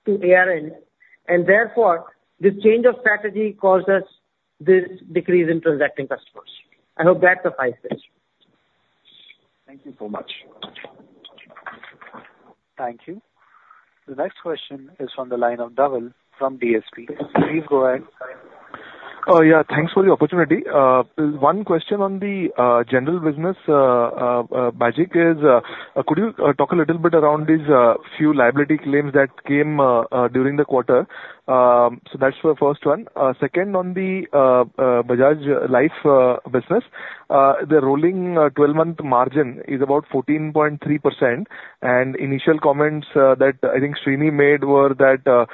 to ARN, and therefore, this change of strategy caused us this decrease in transacting customers. I hope that clarifies this. Thank you so much. Thank you. The next question is from the line of Dhaval from DSP. Please go ahead. Yeah, thanks for the opportunity. One question on the general business. Bajaj, could you talk a little bit around these few liability claims that came during the quarter? So that's the first one. Second, on the Bajaj Life business, the rolling 12-month margin is about 14.3%, and initial comments that I think Srini made were that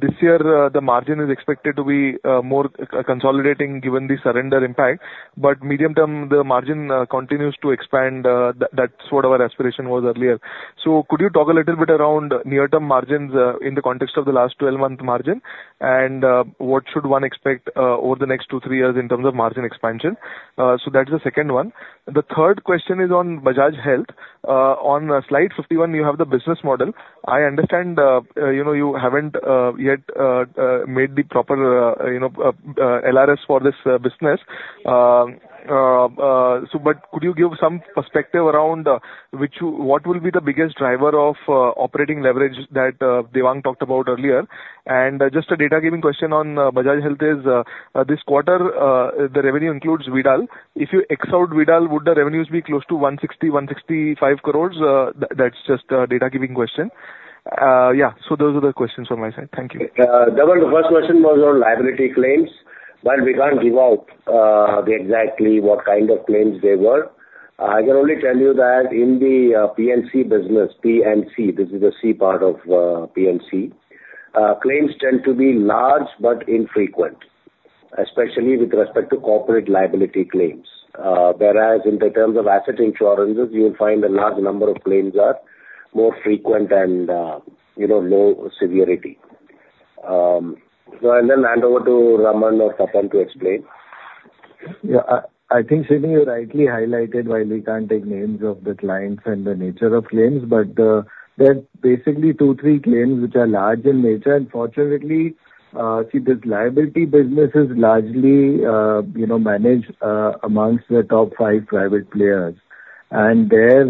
this year the margin is expected to be more consolidating given the surrender impact. But medium-term, the margin continues to expand. That's what our aspiration was earlier. So could you talk a little bit around near-term margins in the context of the last 12-month margin? What should one expect over the next 2-3 years in terms of margin expansion? So that's the second one. The third question is on Bajaj Health. On slide 51, you have the business model. I understand, you know, you haven't yet made the proper, you know, LRS for this business. So but could you give some perspective around what will be the biggest driver of operating leverage that Devang talked about earlier? And just a data-giving question on Bajaj Health is, this quarter, the revenue includes Vidal. If you X out Vidal, would the revenues be close to 160 crore-165 crore? That's just a data-giving question. Yeah, so those are the questions from my side. Thank you. Dhaval, the first question was on liability claims. While we can't give out, the exactly what kind of claims they were, I can only tell you that in the, P&C business, P&C, this is the C part of, P&C, claims tend to be large but infrequent, especially with respect to corporate liability claims. Whereas in the terms of asset insurances, you'll find a large number of claims are more frequent and, you know, low severity. So and then I'll hand over to Raman or Tapan to explain. Yeah, I think, Srini, you rightly highlighted why we can't take names of the clients and the nature of claims, but, there are basically two, three claims which are large in nature. Unfortunately, see, this liability business is largely, you know, managed, amongst the top five private players. And there,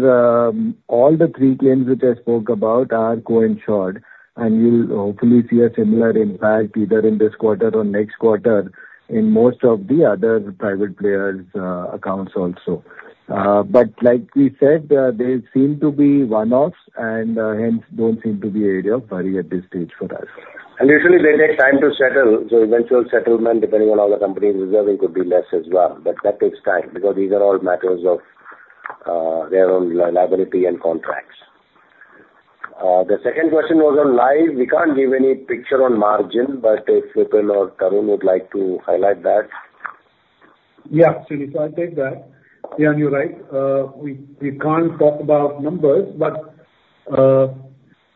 all the three claims which I spoke about are co-insured, and you'll hopefully see a similar impact either in this quarter or next quarter in most of the other private players' accounts also. But like we said, they seem to be one-offs, and hence, don't seem to be an area of worry at this stage for us. And usually they take time to settle, so eventual settlement, depending on how the company is reserving, could be less as well. But that takes time, because these are all matters of their own liability and contracts. The second question was on life. We can't give any picture on margin, but if Vipin or Tarun would like to highlight that? Yeah, Srini, so I'll take that. Yeah, you're right, we can't talk about numbers, but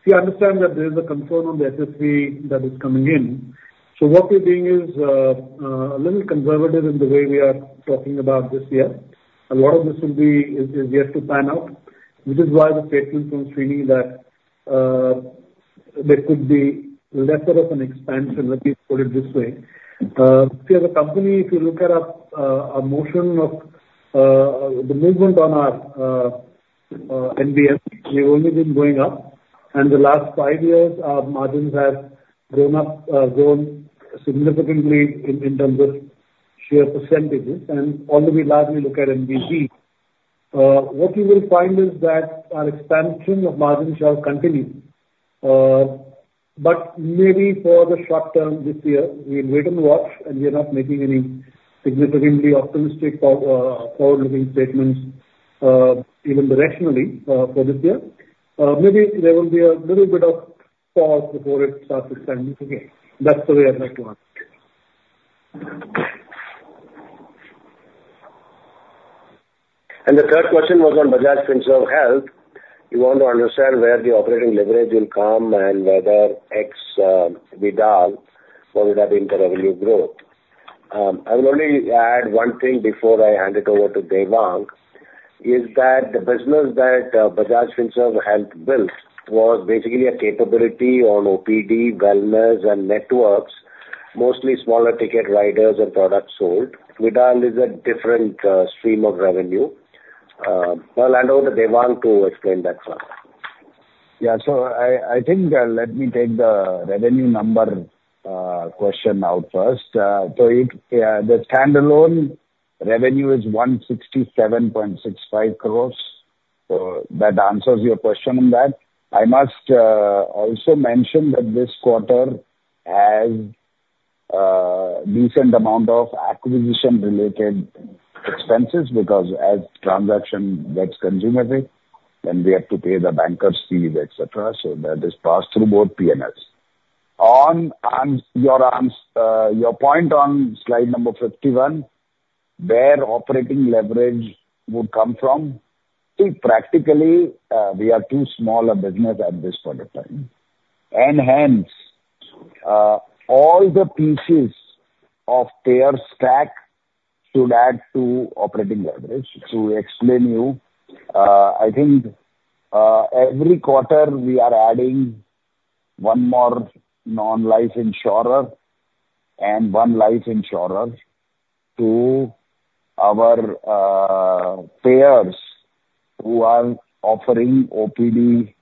we understand that there is a concern on the SSV that is coming in. So what we're doing is a little conservative in the way we are talking about this year. A lot of this is yet to pan out, which is why the statement from Srini that there could be lesser of an expansion, let me put it this way. See, as a company, if you look at our motion of the movement on our NBM, we've only been going up, and the last five years, our margins have grown up, grown significantly in terms of sheer percentages, and although we largely look at NBV. What you will find is that our expansion of margins shall continue, but maybe for the short term this year, we'll wait and watch, and we are not making any significantly optimistic for, forward-looking statements, even directionally, for this year. Maybe there will be a little bit of pause before it starts expanding again. That's the way I'd like to answer it. The third question was on Bajaj Finserv Health. You want to understand where the operating leverage will come and whether X, Vidal, what would that be in the revenue growth? I will only add one thing before I hand it over to Devang, is that the business that, Bajaj Finserv Health built was basically a capability on OPD, wellness, and networks, mostly smaller ticket riders and products sold. Vidal is a different, stream of revenue. I'll hand over to Devang to explain that further. Yeah. So I think, let me take the revenue number question out first. So it, the standalone revenue is 167.65 crore. That answers your question on that. I must also mention that this quarter has decent amount of acquisition-related expenses, because as transaction gets consummated, then we have to pay the bankers' fees, et cetera, so that is passed through both PNLs. On your point on slide number 51, where operating leverage would come from, see, practically, we are too small a business at this point in time, and hence, all the pieces of payer stack should add to operating leverage. To explain you, I think, every quarter we are adding one more non-life insurer and one life insurer to our, payers who are offering OPD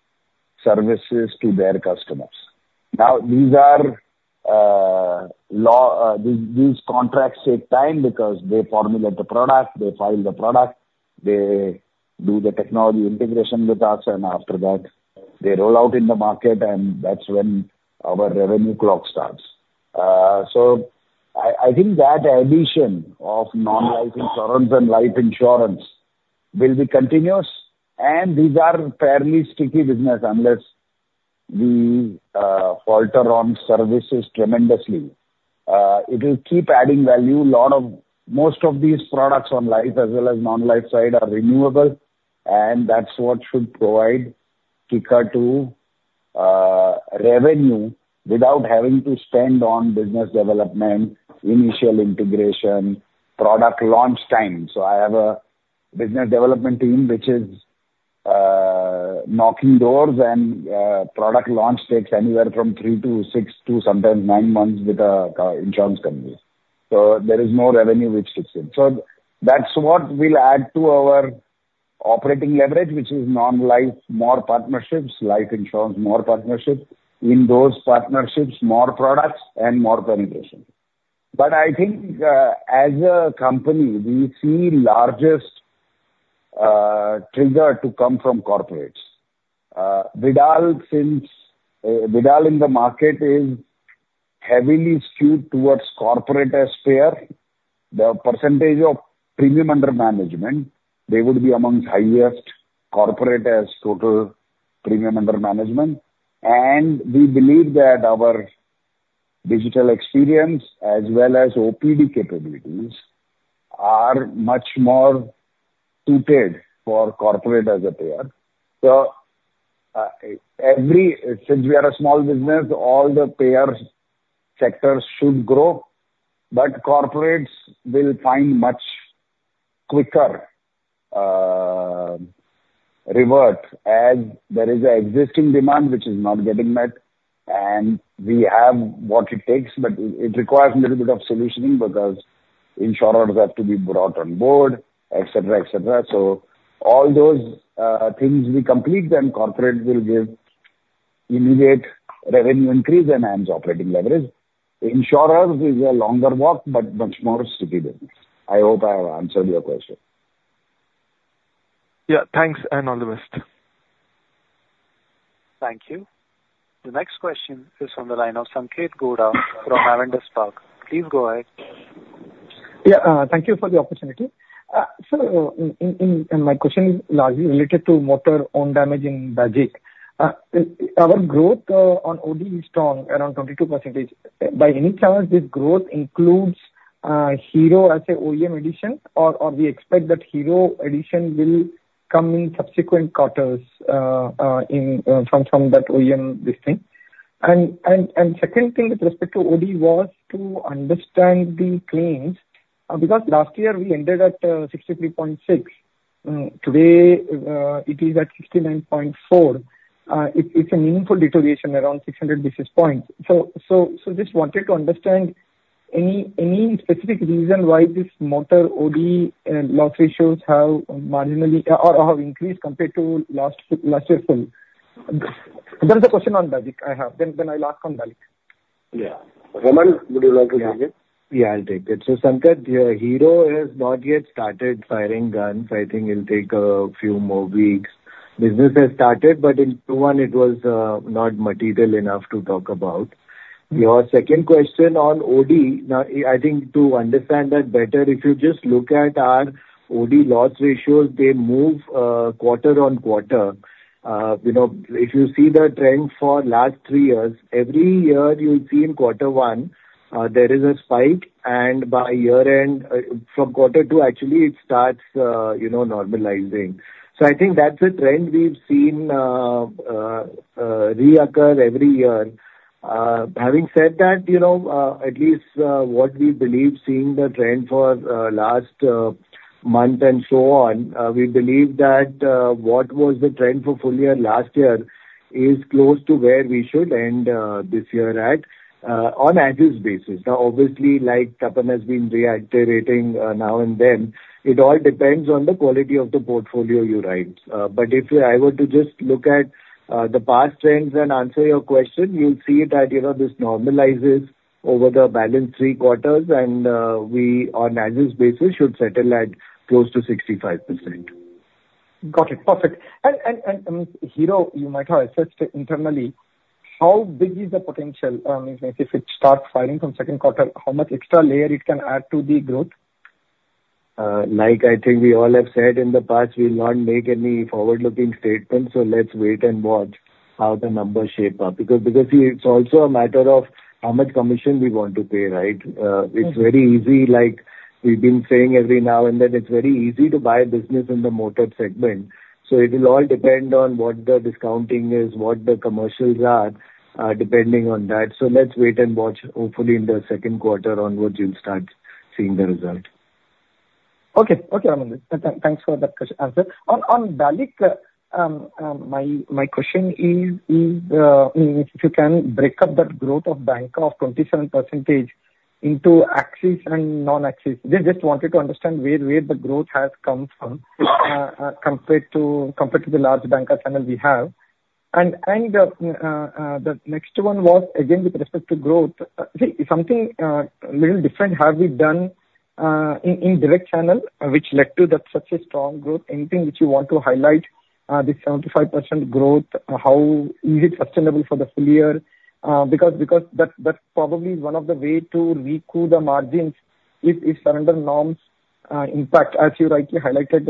services to their customers. Now, these are, large, these contracts take time because they formulate the product, they file the product, they do the technology integration with us, and after that, they roll out in the market, and that's when our revenue clock starts. So I, I think that addition of non-life insurance and life insurance will be continuous, and these are fairly sticky business unless we, falter on services tremendously. It will keep adding value. A lot of, most of these products on life as well as non-life side are renewable, and that's what should provide kicker to, revenue without having to spend on business development, initial integration, product launch time. So I have a business development team which is, knocking doors and, product launch takes anywhere from 3 to 6 to sometimes 9 months with, insurance companies. So there is more revenue which sits in. So that's what will add to our operating leverage, which is non-life, more partnerships, life insurance, more partnerships. In those partnerships, more products and more penetration. But I think, as a company, we see largest, trigger to come from corporates. Vidal, since, Vidal in the market is heavily skewed towards corporate as payer, the percentage of premium under management, they would be amongst highest corporate as total premium under management. And we believe that our digital experience as well as OPD capabilities are much more suited for corporate as a payer. So- ... ever since we are a small business, all the payer sectors should grow, but corporates will find much quicker revert as there is an existing demand which is not getting met, and we have what it takes, but it, it requires a little bit of solutioning because insurers have to be brought on board, et cetera, et cetera. So all those things we complete, then corporate will give immediate revenue increase and hence operating leverage. Insurers is a longer work, but much more sticky business. I hope I have answered your question. Yeah, thanks, and all the best. Thank you. The next question is on the line of Sanket Goda from Avendus Spark. Please go ahead. Yeah, thank you for the opportunity. So, my question is largely related to motor own damage in BAGIC. Our growth on OD is strong, around 22%. By any chance, this growth includes Hero as a OEM addition, or we expect that Hero addition will come in subsequent quarters from that OEM this thing? And second thing with respect to OD was to understand the claims, because last year we ended at 63.6. Today, it is at 69.4. It's a meaningful deterioration, around 600 basis points. So just wanted to understand any specific reason why this motor OD loss ratios have marginally or have increased compared to last year's full? There is a question on BAGIC I have, then I'll ask on BALIC. Yeah. Raman, would you like to take it? Yeah. Yeah, I'll take it. So Sanket, yeah, Hero has not yet started firing guns. I think it'll take a few more weeks. Business has started, but in Q1, it was not material enough to talk about. Your second question on OD, now, I think to understand that better, if you just look at our OD loss ratios, they move quarter on quarter. You know, if you see the trend for last three years, every year you'll see in quarter one, there is a spike, and by year end, from quarter two, actually, it starts you know, normalizing. So I think that's a trend we've seen reoccur every year. Having said that, you know, at least, what we believe seeing the trend for, last, month and so on, we believe that, what was the trend for full year last year is close to where we should end, this year at, on as-is basis. Now, obviously, like Tapan has been reiterating, now and then, it all depends on the quality of the portfolio you write. But if I were to just look at, the past trends and answer your question, you'll see that, you know, this normalizes over the balance three quarters, and, we on as-is basis should settle at close to 65%. Got it. Perfect. And, Hero, you might have assessed internally, how big is the potential, if it starts firing from second quarter, how much extra layer it can add to the growth? Like I think we all have said in the past, we'll not make any forward-looking statements, so let's wait and watch how the numbers shape up. Because it's also a matter of how much commission we want to pay, right? Mm-hmm. It's very easy, like we've been saying every now and then, it's very easy to buy business in the motor segment, so it will all depend on what the discounting is, what the commercials are, depending on that. So let's wait and watch. Hopefully, in the second quarter onwards, you'll start seeing the result. Okay. Okay, Raman, thanks for that question, answer. On BALIC, my question is, if you can break up that growth of banca of 27% into Axis and non-Axis. Just wanted to understand where the growth has come from, compared to the large banca channel we have. And the next one was, again, with respect to growth, see something a little different have we done, in direct channel which led to that such a strong growth? Anything which you want to highlight, this 75% growth? How is it sustainable for the full year? Because that probably is one of the way to recoup the margins if certain norms impact, as you rightly highlighted,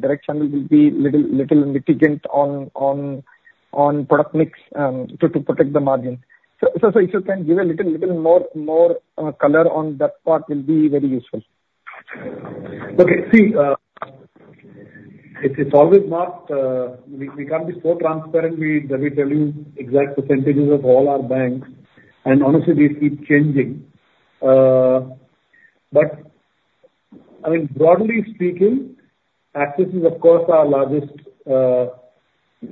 direct channel will be little lenient on product mix to protect the margin. So if you can give a little more color on that part will be very useful. Okay. See, it's always not that we can't be so transparent that we tell you exact percentages of all our banks, and honestly, they keep changing. But I mean, broadly speaking, Axis is of course our largest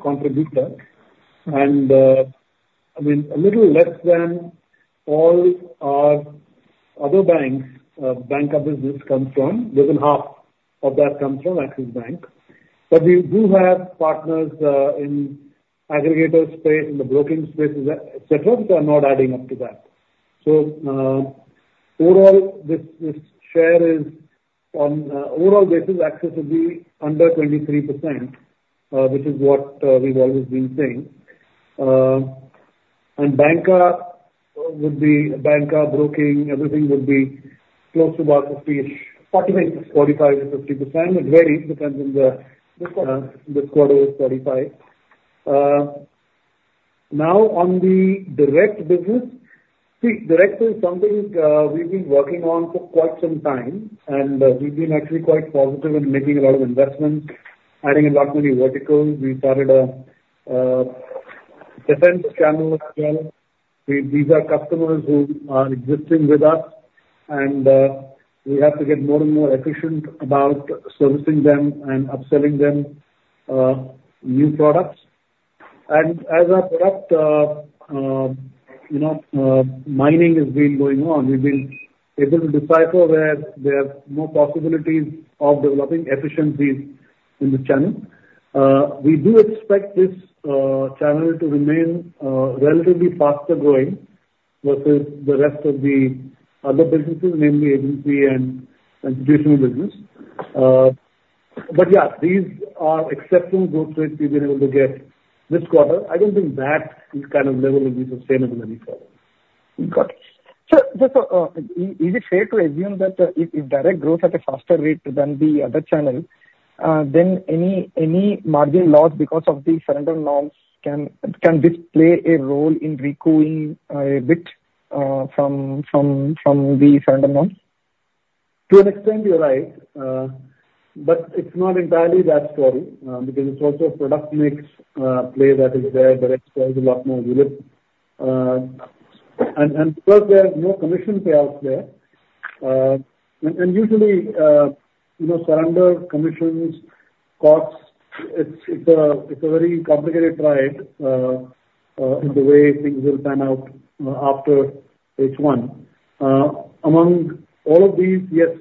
contributor. Mm-hmm. I mean, a little less than all our other banks banker business comes from, less than half of that comes from Axis Bank. But we do have partners in aggregator space, in the broking space, et cetera, they are not adding up to that. So, overall, this share is on overall basis, Axis will be under 23%, which is what we've always been saying. And banca would be, banca, broking, everything would be close to about 50-ish, 45, 45-50%. It varies, depends on the- This quarter. This quarter is 45. Now on the direct business, see, direct is something we've been working on for quite some time, and we've been actually quite positive in making a lot of investments, adding a lot many verticals. We started a defense channel as well. These are customers who are existing with us, and we have to get more and more efficient about servicing them and upselling them new products. And as our product, you know, mining has been going on, we've been able to decipher where there are more possibilities of developing efficiencies in the channel. We do expect this channel to remain relatively faster growing versus the rest of the other businesses, namely agency and traditional business. But yeah, these are exceptional growth rates we've been able to get this quarter. I don't think that this kind of level will be sustainable going forward. Got it. So, just, is it fair to assume that, if, if direct grows at a faster rate than the other channel, then any, any margin loss because of the surrender norms can, can this play a role in recoiling, a bit, from, from, from the surrender norms? To an extent you're right, but it's not entirely that story, because it's also a product mix play that is there, direct plays a lot more role. And plus there are more commission payouts there. And usually, you know, surrender, commissions, costs, it's a very complicated ride in the way things will pan out after H1. Among all of these, yes,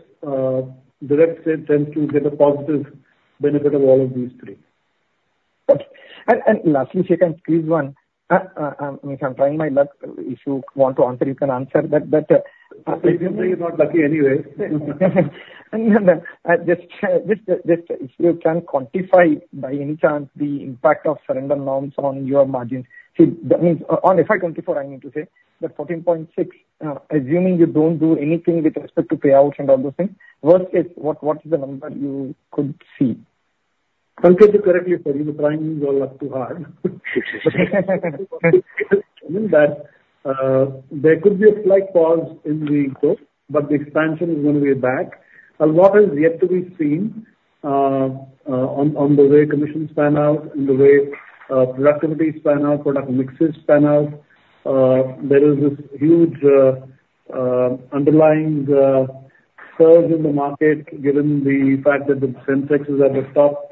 direct sales tends to get a positive benefit of all of these three. Okay. And, and lastly, if you can squeeze one, if I'm trying my luck, if you want to answer, you can answer that, but, Obviously, you're not lucky anyway. Then, just if you can quantify by any chance the impact of surrender norms on your margins. See, that means on FY 2024, I need to say, the 14.6, assuming you don't do anything with respect to payouts and all those things, what is the number you could see? I'll tell you correctly, Sir, you are trying your luck too hard. That there could be a slight pause in the growth, but the expansion is going to be back. And what is yet to be seen, on the way commissions pan out and the way productivities pan out, product mixes pan out. There is this huge underlying surge in the market, given the fact that the Sensex is at the top.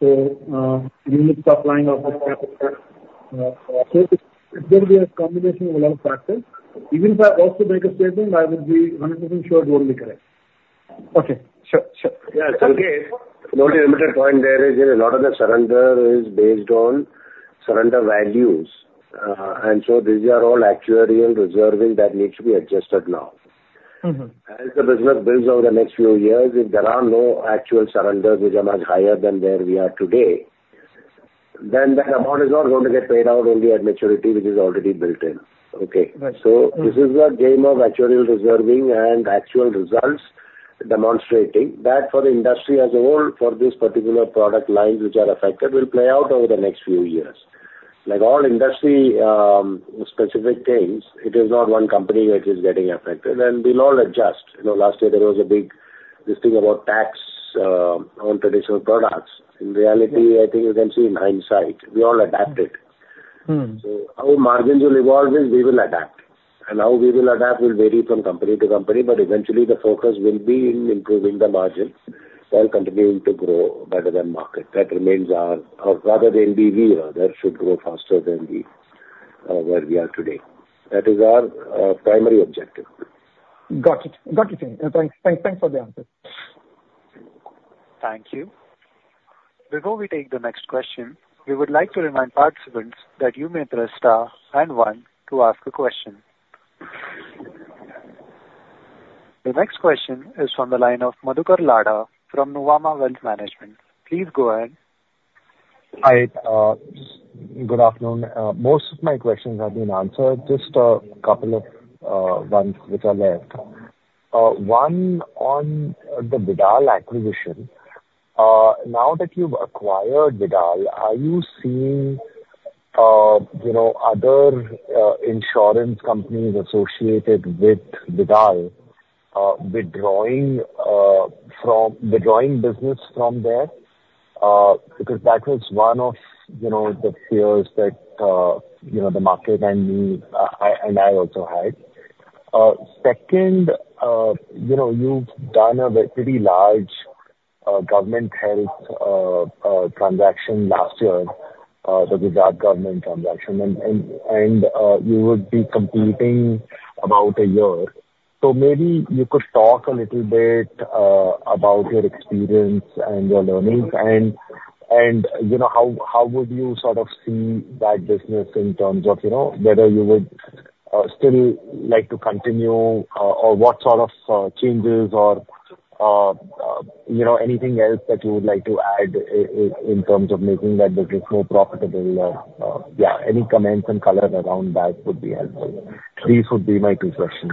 So units are flying off the capital. So it's going to be a combination of a lot of factors. Even if I also make a statement, I will be 100% sure it won't be correct. Okay, sure. Sure. Yeah, Sanjay. The only limited point there is that a lot of the surrender is based on surrender values. And so these are all actuarial reserving that needs to be adjusted now. Mm-hmm. As the business builds over the next few years, if there are no actual surrenders, which are much higher than where we are today- Yes, yes, yes. Then the amount is not going to get paid out only at maturity, which is already built in. Okay? Right. So this is a game of actuarial reserving and actual results demonstrating that for the industry as a whole, for this particular product lines which are affected, will play out over the next few years. Like all industry specific things, it is not one company which is getting affected, and we'll all adjust. You know, last year there was a big, this thing about tax, on traditional products. In reality, I think you can see in hindsight, we all adapted. Mm. How margins will evolve is we will adapt, and how we will adapt will vary from company to company, but eventually the focus will be in improving the margins while continuing to grow better than market. That remains our... Rather than be we, others should grow faster than we, where we are today. That is our primary objective. Got it. Got it. Thanks, thanks, thanks for the answer. Thank you. Before we take the next question, we would like to remind participants that you may press star and one to ask a question. The next question is from the line of Madhukar Ladha from Nuvama Wealth Management. Please go ahead. Hi, good afternoon. Most of my questions have been answered. Just couple of ones which are left. One on the Vidal acquisition. Now that you've acquired Vidal, are you seeing, you know, other insurance companies associated with Vidal, withdrawing from... Withdrawing business from there? Because that was one of, you know, the fears that, you know, the market and me, and I also had. Second, you know, you've done a pretty large government health transaction last year, the Gujarat government transaction and you would be completing about a year. So maybe you could talk a little bit about your experience and your learnings and, you know, how would you sort of see that business in terms of, you know, whether you would still like to continue, or what sort of, you know, anything else that you would like to add in terms of making that business more profitable? Yeah, any comments and color around that would be helpful. These would be my two questions.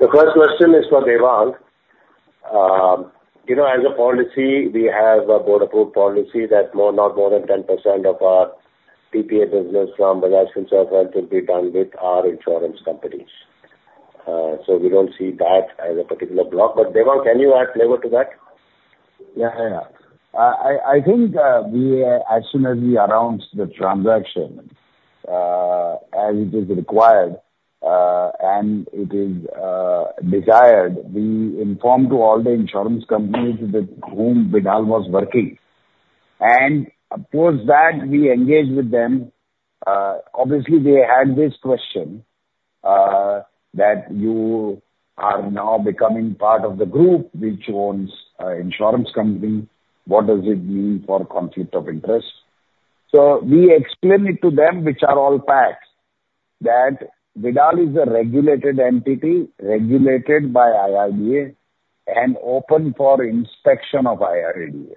The first question is for Devang.... You know, as a policy, we have a board approved policy that not more than 10% of our PPA business from Bajaj Finserv will be done with our insurance companies. So we don't see that as a particular block. But, Devang, can you add flavor to that? Yeah, yeah. I think, we, as soon as we announced the transaction, as it is required, and it is desired, we informed to all the insurance companies with whom Vidal was working. And post that, we engaged with them. Obviously, they had this question, that you are now becoming part of the group which owns a insurance company, what does it mean for conflict of interest? So we explained it to them, which are all facts, that Vidal is a regulated entity, regulated by IRDA and open for inspection of IRDA.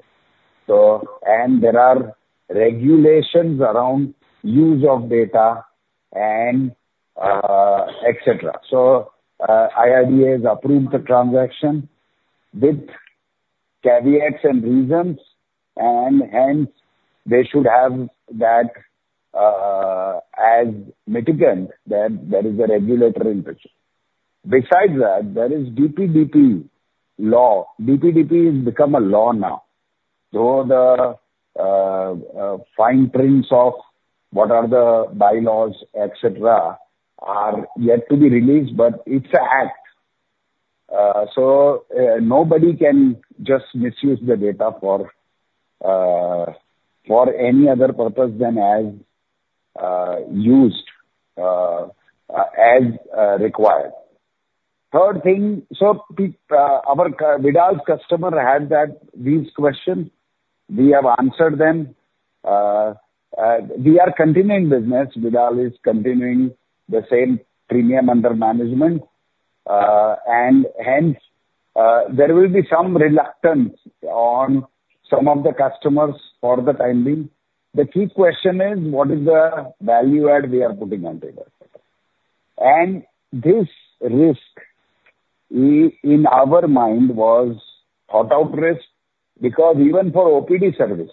And there are regulations around use of data and, et cetera. So, IRDA has approved the transaction with caveats and reasons, and hence, they should have that, as mitigant, that there is a regulator in place. Besides that, there is DPDP law. DPDP has become a law now. So the fine prints of what are the bylaws, et cetera, are yet to be released, but it's an act. So nobody can just misuse the data for any other purpose than as used as required. Third thing, our Vidal's customers had these questions. We have answered them. We are continuing business. Vidal is continuing the same premium under management. And hence, there will be some reluctance on some of the customers for the time being. The key question is: What is the value add we are putting on the table? And this risk, we, in our mind, was thought out risk, because even for OPD services,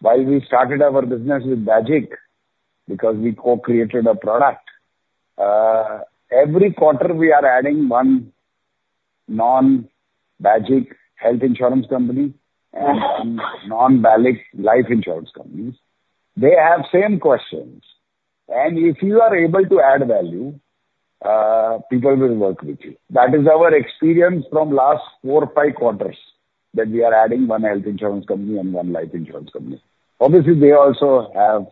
while we started our business with BAGIC, because we co-created a product, every quarter we are adding one non-BAGIC health insurance company and non-BALIC life insurance companies. They have same questions. And if you are able to add value, people will work with you. That is our experience from last four, five quarters, that we are adding one health insurance company and one life insurance company. Obviously, they also have,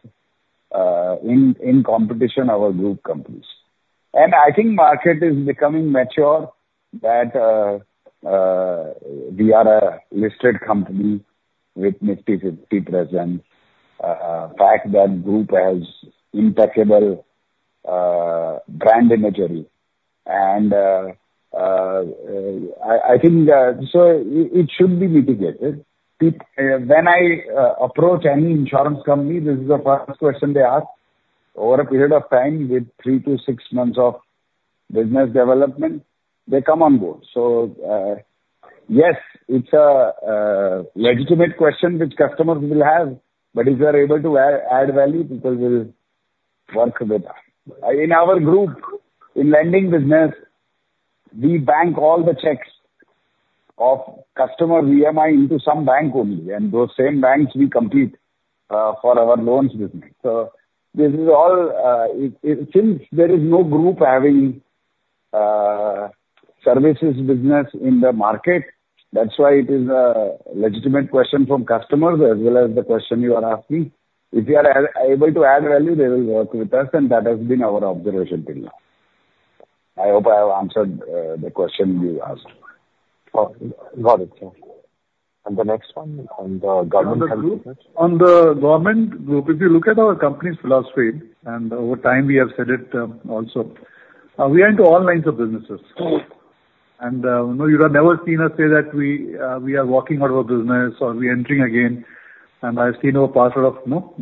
in competition, our group companies. And I think market is becoming mature that, we are a listed company with Nifty 50 presence, fact that group has impeccable, brand imagery. And, I think, so it should be mitigated. When I approach any insurance company, this is the first question they ask. Over a period of time, with 3-6 months of business development, they come on board. So, yes, it's a legitimate question which customers will have, but if you are able to add value, people will work with us. In our group, in lending business, we bank all the checks of customer EMI into some bank only, and those same banks we compete for our loans business. So this is all. Since there is no group having services business in the market, that's why it is a legitimate question from customers as well as the question you are asking. If you are able to add value, they will work with us, and that has been our observation till now. I hope I have answered the question you asked. Oh, got it, sir. And the next one on the government- On the group, on the government group, if you look at our company's philosophy, and over time we have said it, also, we are into all lines of businesses. And, you know, you have never seen us say that we, we are walking out of a business or we entering again, and I've seen over a quarter of, you know,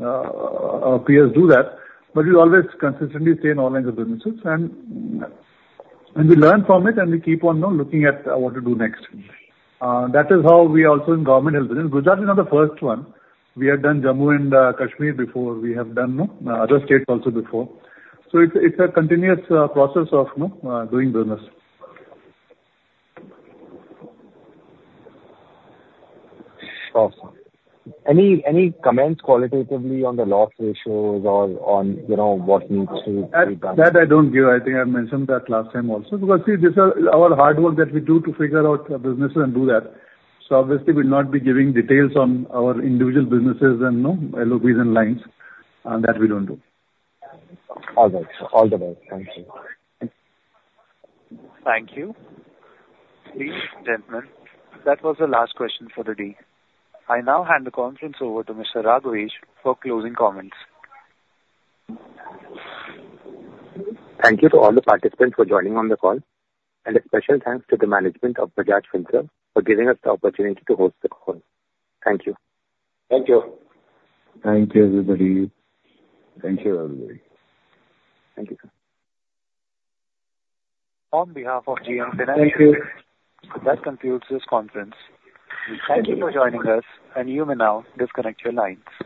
our peers do that, but we always consistently stay in all lines of businesses. And, we learn from it, and we keep on, you know, looking at what to do next. That is how we are also in government health. Gujarat is not the first one. We have done Jammu and Kashmir before. We have done, you know, other states also before. So it's a continuous process of, you know, doing business. Awesome. Any, any comments qualitatively on the loss ratios or on, you know, what needs to be done? That, that I don't give. I think I've mentioned that last time also, because, see, this is our hard work that we do to figure out our businesses and do that. So obviously we'll not be giving details on our individual businesses and, you know, LOBs and lines. That we don't do. All right. All the best. Thank you. Thank you. Ladies and gentlemen, that was the last question for the day. I now hand the conference over to Mr. Raghvesh for closing comments. Thank you to all the participants for joining on the call. A special thanks to the management of Bajaj Finserv for giving us the opportunity to host the call. Thank you. Thank you. Thank you, everybody. Thank you, everybody. Thank you, sir. On behalf of JM Financial- Thank you. That concludes this conference. Thank you for joining us, and you may now disconnect your lines.